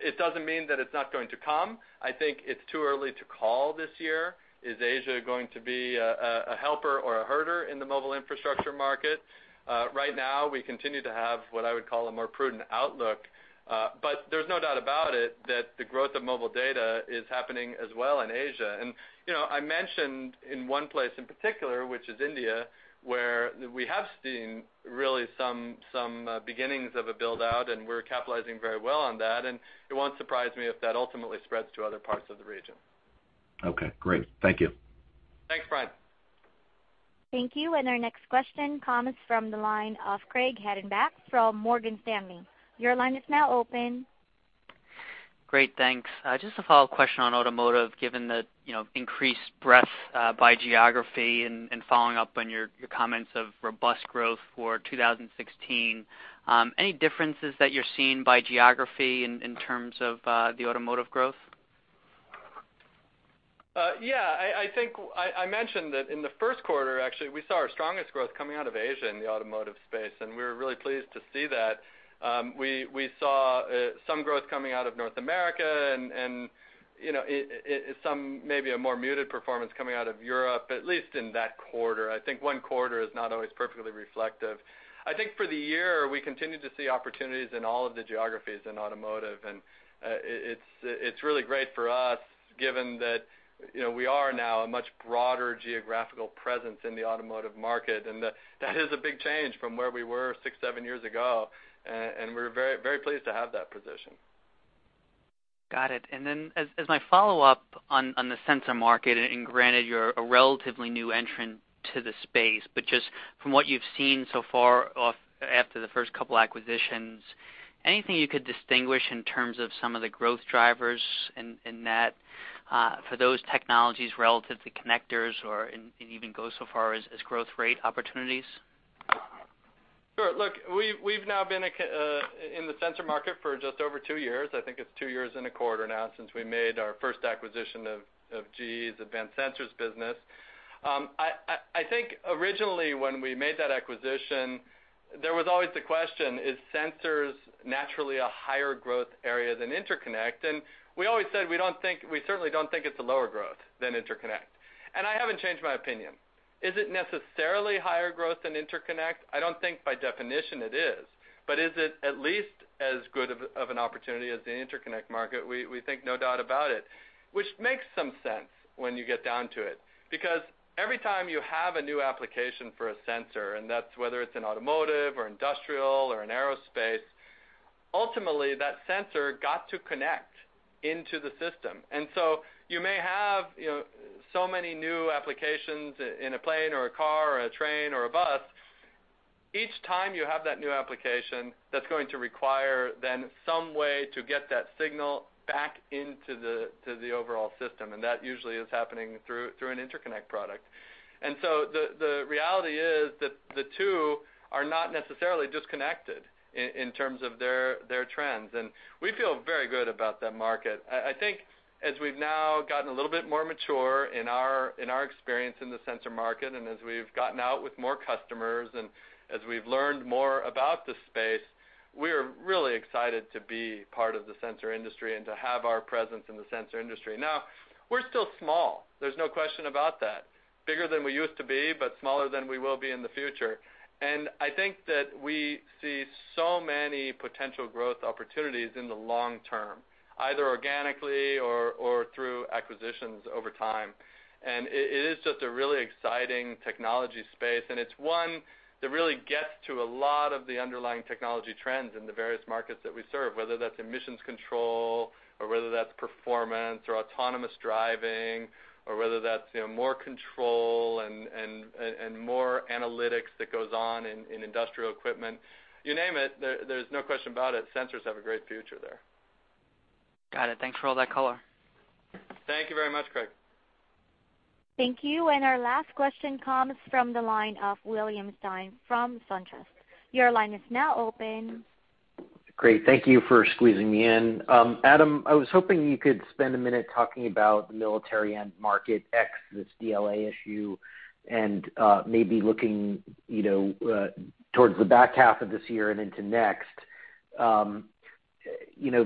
It doesn't mean that it's not going to come. I think it's too early to call this year. Is Asia going to be a helper or a herder in the mobile infrastructure market? Right now, we continue to have what I would call a more prudent outlook. There's no doubt about it that the growth of mobile data is happening as well in Asia. I mentioned in one place in particular, which is India, where we have seen really some beginnings of a build-out, and we're capitalizing very well on that. It won't surprise me if that ultimately spreads to other parts of the region. Okay. Great. Thank you. Thanks, Brian. Thank you. Our next question comes from the line of Craig Hettenbach from Morgan Stanley. Your line is now open. Great. Thanks. Just a follow-up question on automotive, given the increased breadth by geography and following up on your comments of robust growth for 2016. Any differences that you're seeing by geography in terms of the automotive growth? Yeah. I mentioned that in the first quarter, actually, we saw our strongest growth coming out of Asia in the automotive space. We were really pleased to see that. We saw some growth coming out of North America and some maybe a more muted performance coming out of Europe, at least in that quarter. I think one quarter is not always perfectly reflective. I think for the year, we continue to see opportunities in all of the geographies in automotive. It's really great for us given that we are now a much broader geographical presence in the automotive market. That is a big change from where we were six, seven years ago. We're very pleased to have that position. Got it. And then as my follow-up on the sensor market, and granted you're a relatively new entrant to the space, but just from what you've seen so far after the first couple of acquisitions, anything you could distinguish in terms of some of the growth drivers in that for those technologies relative to connectors or even go so far as growth rate opportunities? Sure. Look, we've now been in the sensor market for just over two years. I think it's two years and a quarter now since we made our first acquisition of GE's Advanced Sensors business. I think originally when we made that acquisition, there was always the question, is sensors naturally a higher growth area than interconnect? And we always said we certainly don't think it's a lower growth than interconnect. And I haven't changed my opinion. Is it necessarily higher growth than interconnect? I don't think by definition it is. But is it at least as good of an opportunity as the interconnect market? We think no doubt about it, which makes some sense when you get down to it because every time you have a new application for a sensor, and that's whether it's an automotive or industrial or an aerospace, ultimately that sensor got to connect into the system. And so you may have so many new applications in a plane or a car or a train or a bus. Each time you have that new application, that's going to require then some way to get that signal back into the overall system. And that usually is happening through an interconnect product. And so the reality is that the two are not necessarily disconnected in terms of their trends. And we feel very good about that market. I think as we've now gotten a little bit more mature in our experience in the sensor market and as we've gotten out with more customers and as we've learned more about the space, we are really excited to be part of the sensor industry and to have our presence in the sensor industry. Now, we're still small. There's no question about that. Bigger than we used to be, but smaller than we will be in the future. And I think that we see so many potential growth opportunities in the long term, either organically or through acquisitions over time. And it is just a really exciting technology space. It's one that really gets to a lot of the underlying technology trends in the various markets that we serve, whether that's emissions control or whether that's performance or autonomous driving or whether that's more control and more analytics that goes on in industrial equipment. You name it, there's no question about it. Sensors have a great future there. Got it. Thanks for all that color. Thank you very much, Craig. Thank you. And our last question comes from the line of William Stein from SunTrust. Your line is now open. Great. Thank you for squeezing me in. Adam, I was hoping you could spend a minute talking about the military end market ex this DLA issue and maybe looking towards the back half of this year and into next.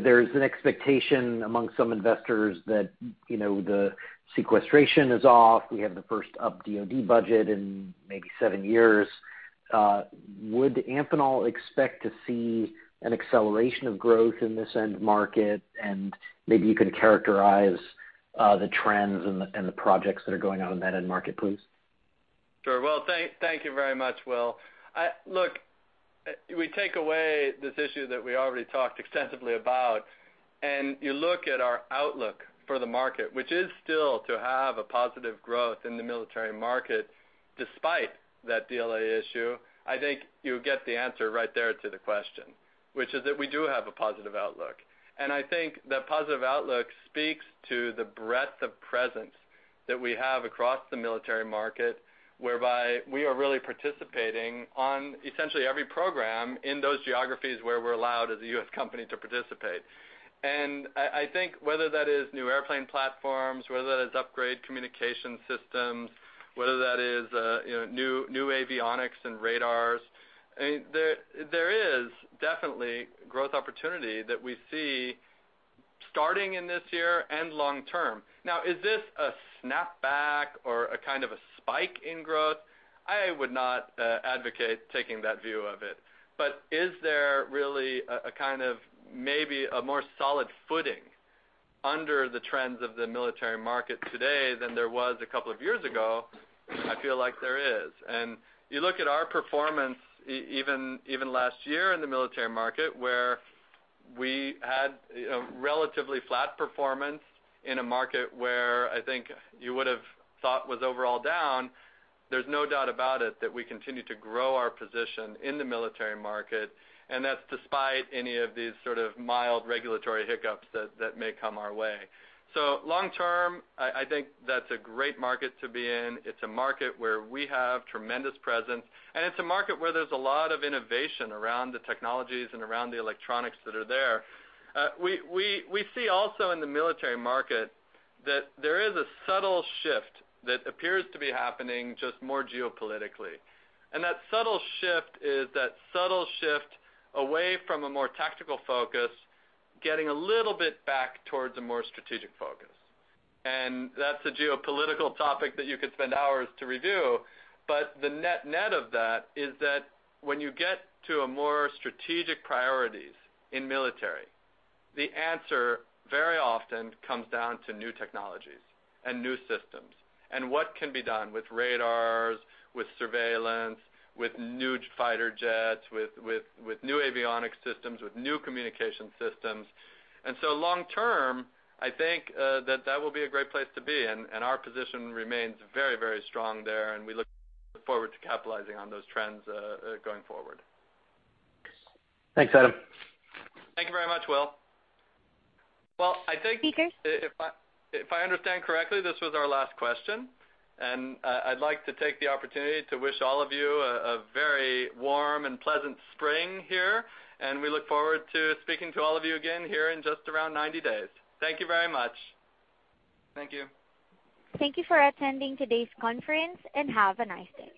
There's an expectation among some investors that the sequestration is off. We have the first up DOD budget in maybe seven years. Would Amphenol expect to see an acceleration of growth in this end market? And maybe you could characterize the trends and the projects that are going on in that end market, please. Sure. Well, thank you very much, Will. Look, we take away this issue that we already talked extensively about. And you look at our outlook for the market, which is still to have a positive growth in the military market despite that DLA issue, I think you get the answer right there to the question, which is that we do have a positive outlook. And I think that positive outlook speaks to the breadth of presence that we have across the military market, whereby we are really participating on essentially every program in those geographies where we're allowed as a U.S. company to participate. And I think whether that is new airplane platforms, whether that is upgrade communication systems, whether that is new avionics and radars, there is definitely growth opportunity that we see starting in this year and long-term. Now, is this a snapback or a kind of a spike in growth? I would not advocate taking that view of it. But is there really a kind of maybe a more solid footing under the trends of the military market today than there was a couple of years ago? I feel like there is. And you look at our performance even last year in the military market, where we had relatively flat performance in a market where I think you would have thought was overall down, there's no doubt about it that we continue to grow our position in the military market. And that's despite any of these sort of mild regulatory hiccups that may come our way. So long-term, I think that's a great market to be in. It's a market where we have tremendous presence. It's a market where there's a lot of innovation around the technologies and around the electronics that are there. We see also in the military market that there is a subtle shift that appears to be happening just more geopolitically. And that subtle shift is that subtle shift away from a more tactical focus, getting a little bit back towards a more strategic focus. And that's a geopolitical topic that you could spend hours to review. But the net-net of that is that when you get to a more strategic priorities in military, the answer very often comes down to new technologies and new systems and what can be done with radars, with surveillance, with new fighter jets, with new avionic systems, with new communication systems. And so long-term, I think that that will be a great place to be. And our position remains very, very strong there. We look forward to capitalizing on those trends going forward. Thanks, Adam. Thank you very much, Will. Well, I think. Speaker. If I understand correctly, this was our last question. I'd like to take the opportunity to wish all of you a very warm and pleasant spring here. We look forward to speaking to all of you again here in just around 90 days. Thank you very much. Thank you. Thank you for attending today's conference and have a nice day.